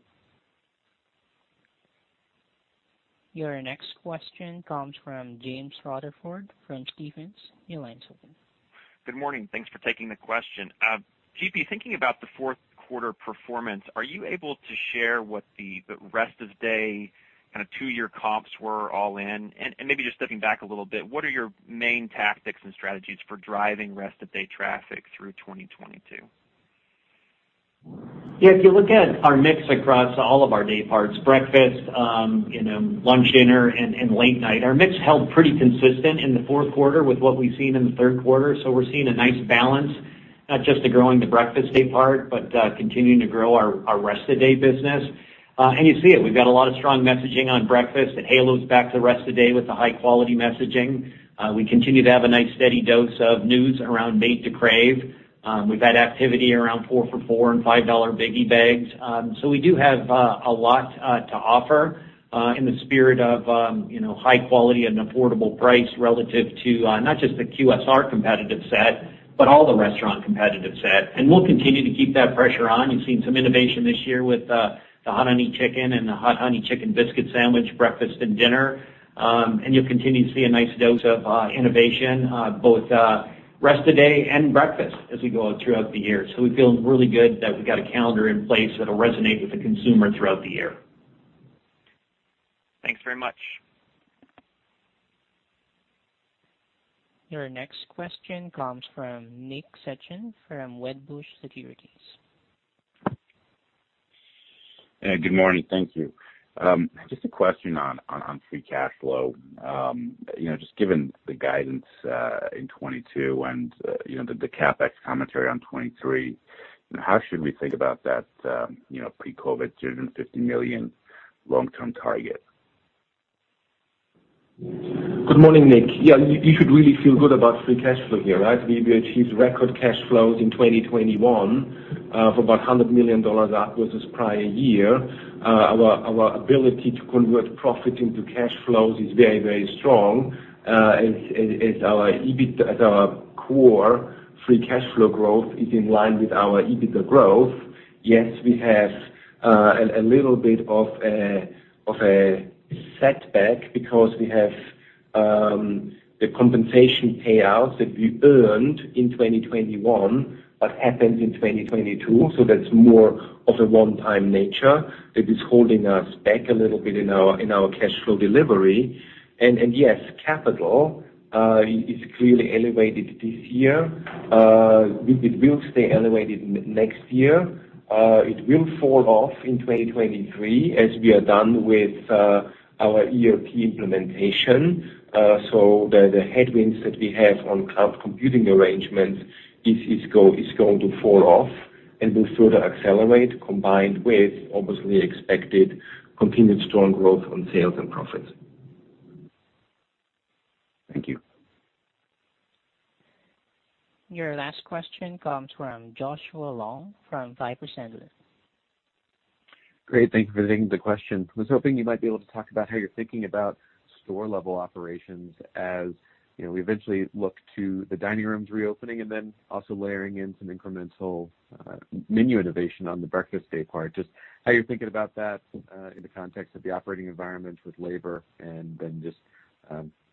Your next question comes from James Rutherford from Stephens. Your line's open. Good morning. Thanks for taking the question. GP, thinking about the fourth quarter performance, are you able to share what the rest of day kind of two-year comps were all in? Maybe just stepping back a little bit, what are your main tactics and strategies for driving rest of day traffic through 2022? Yeah, if you look at our mix across all of our day parts, breakfast, you know, lunch, dinner, and late night, our mix held pretty consistent in the fourth quarter with what we've seen in the third quarter. We're seeing a nice balance, not just to growing the breakfast day part, but continuing to grow our rest of day business. You see it. We've got a lot of strong messaging on breakfast. It halos back to the rest of day with the high quality messaging. We continue to have a nice steady dose of news around Made to Crave. We've had activity around 4 for $4 and $5 Biggie Bag. We do have a lot to offer in the spirit of, you know, high quality and affordable price relative to not just the QSR competitive set, but all the restaurant competitive set. We'll continue to keep that pressure on. You've seen some innovation this year with the Hot Honey Chicken and the Hot Honey Chicken Biscuit Sandwich, breakfast and dinner. You'll continue to see a nice dose of innovation both rest of day and breakfast as we go throughout the year. We feel really good that we've got a calendar in place that'll resonate with the consumer throughout the year. Thanks very much. Your next question comes from Nick Setyan from Wedbush Securities. Yeah, good morning. Thank you. Just a question on free cash flow. You know, just given the guidance in 2022 and, you know, the CapEx commentary on 2023, how should we think about that, you know, pre-COVID $1.05 billion long-term target? Good morning, Nick. Yeah, you should really feel good about free cash flow here, right? We achieved record cash flows in 2021 for about $100 million up versus prior year. Our ability to convert profit into cash flows is very, very strong. As our core free cash flow growth is in line with our EBITDA growth. Yes, we have a little bit of a setback because we have the compensation payouts that we earned in 2021, but happened in 2022, so that's more of a one-time nature that is holding us back a little bit in our cash flow delivery. Yes, capital is clearly elevated this year. It will stay elevated next year. It will fall off in 2023 as we are done with our ERP implementation. The headwinds that we have on cloud computing arrangements is going to fall off and will further accelerate combined with obviously expected continued strong growth on sales and profits. Thank you. Your last question comes from Joshua Long from Piper Sandler. Great. Thank you for taking the question. I was hoping you might be able to talk about how you're thinking about store-level operations as, you know, we eventually look to the dining rooms reopening and then also layering in some incremental menu innovation on the breakfast daypart. Just how you're thinking about that in the context of the operating environment with labor and then just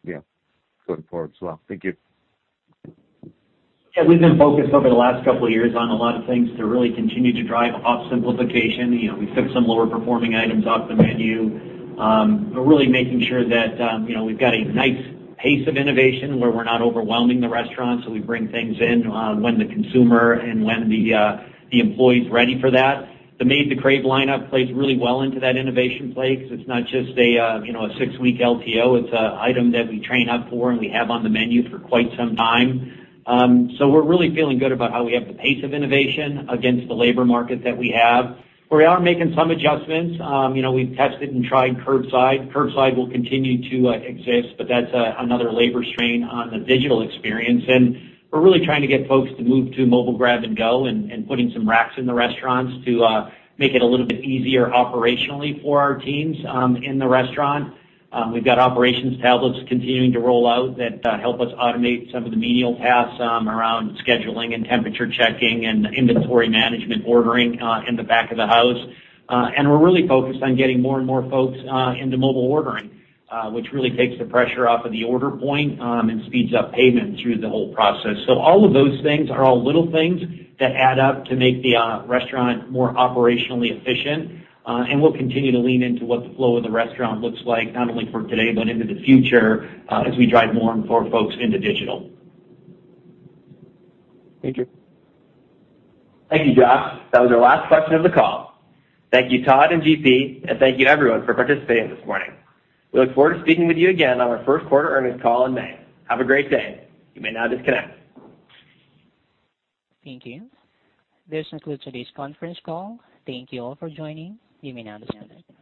yeah, going forward as well. Thank you. Yeah, we've been focused over the last couple of years on a lot of things to really continue to drive ops simplification. You know, we took some lower performing items off the menu. But really making sure that, you know, we've got a nice pace of innovation where we're not overwhelming the restaurant, so we bring things in when the consumer and when the employee's ready for that. The Made to Crave lineup plays really well into that innovation play 'cause it's not just a six-week LTO. It's an item that we train up for and we have on the menu for quite some time. So we're really feeling good about how we have the pace of innovation against the labor market that we have. We are making some adjustments. You know, we've tested and tried curbside. Curbside will continue to exist, but that's another labor strain on the digital experience. We're really trying to get folks to move to mobile grab and go and putting some racks in the restaurants to make it a little bit easier operationally for our teams in the restaurant. We've got operations tablets continuing to roll out that help us automate some of the menial tasks around scheduling and temperature checking and inventory management ordering in the back of the house. We're really focused on getting more and more folks into mobile ordering, which really takes the pressure off of the order point and speeds up payment through the whole process. All of those things are all little things that add up to make the restaurant more operationally efficient. We'll continue to lean into what the flow of the restaurant looks like, not only for today, but into the future, as we drive more and more folks into digital. Thank you. Thank you, Josh. That was our last question of the call. Thank you, Todd and GP, and thank you everyone for participating this morning. We look forward to speaking with you again on our first quarter earnings call in May. Have a great day. You may now disconnect. Thank you. This concludes today's conference call. Thank you all for joining. You may now disconnect.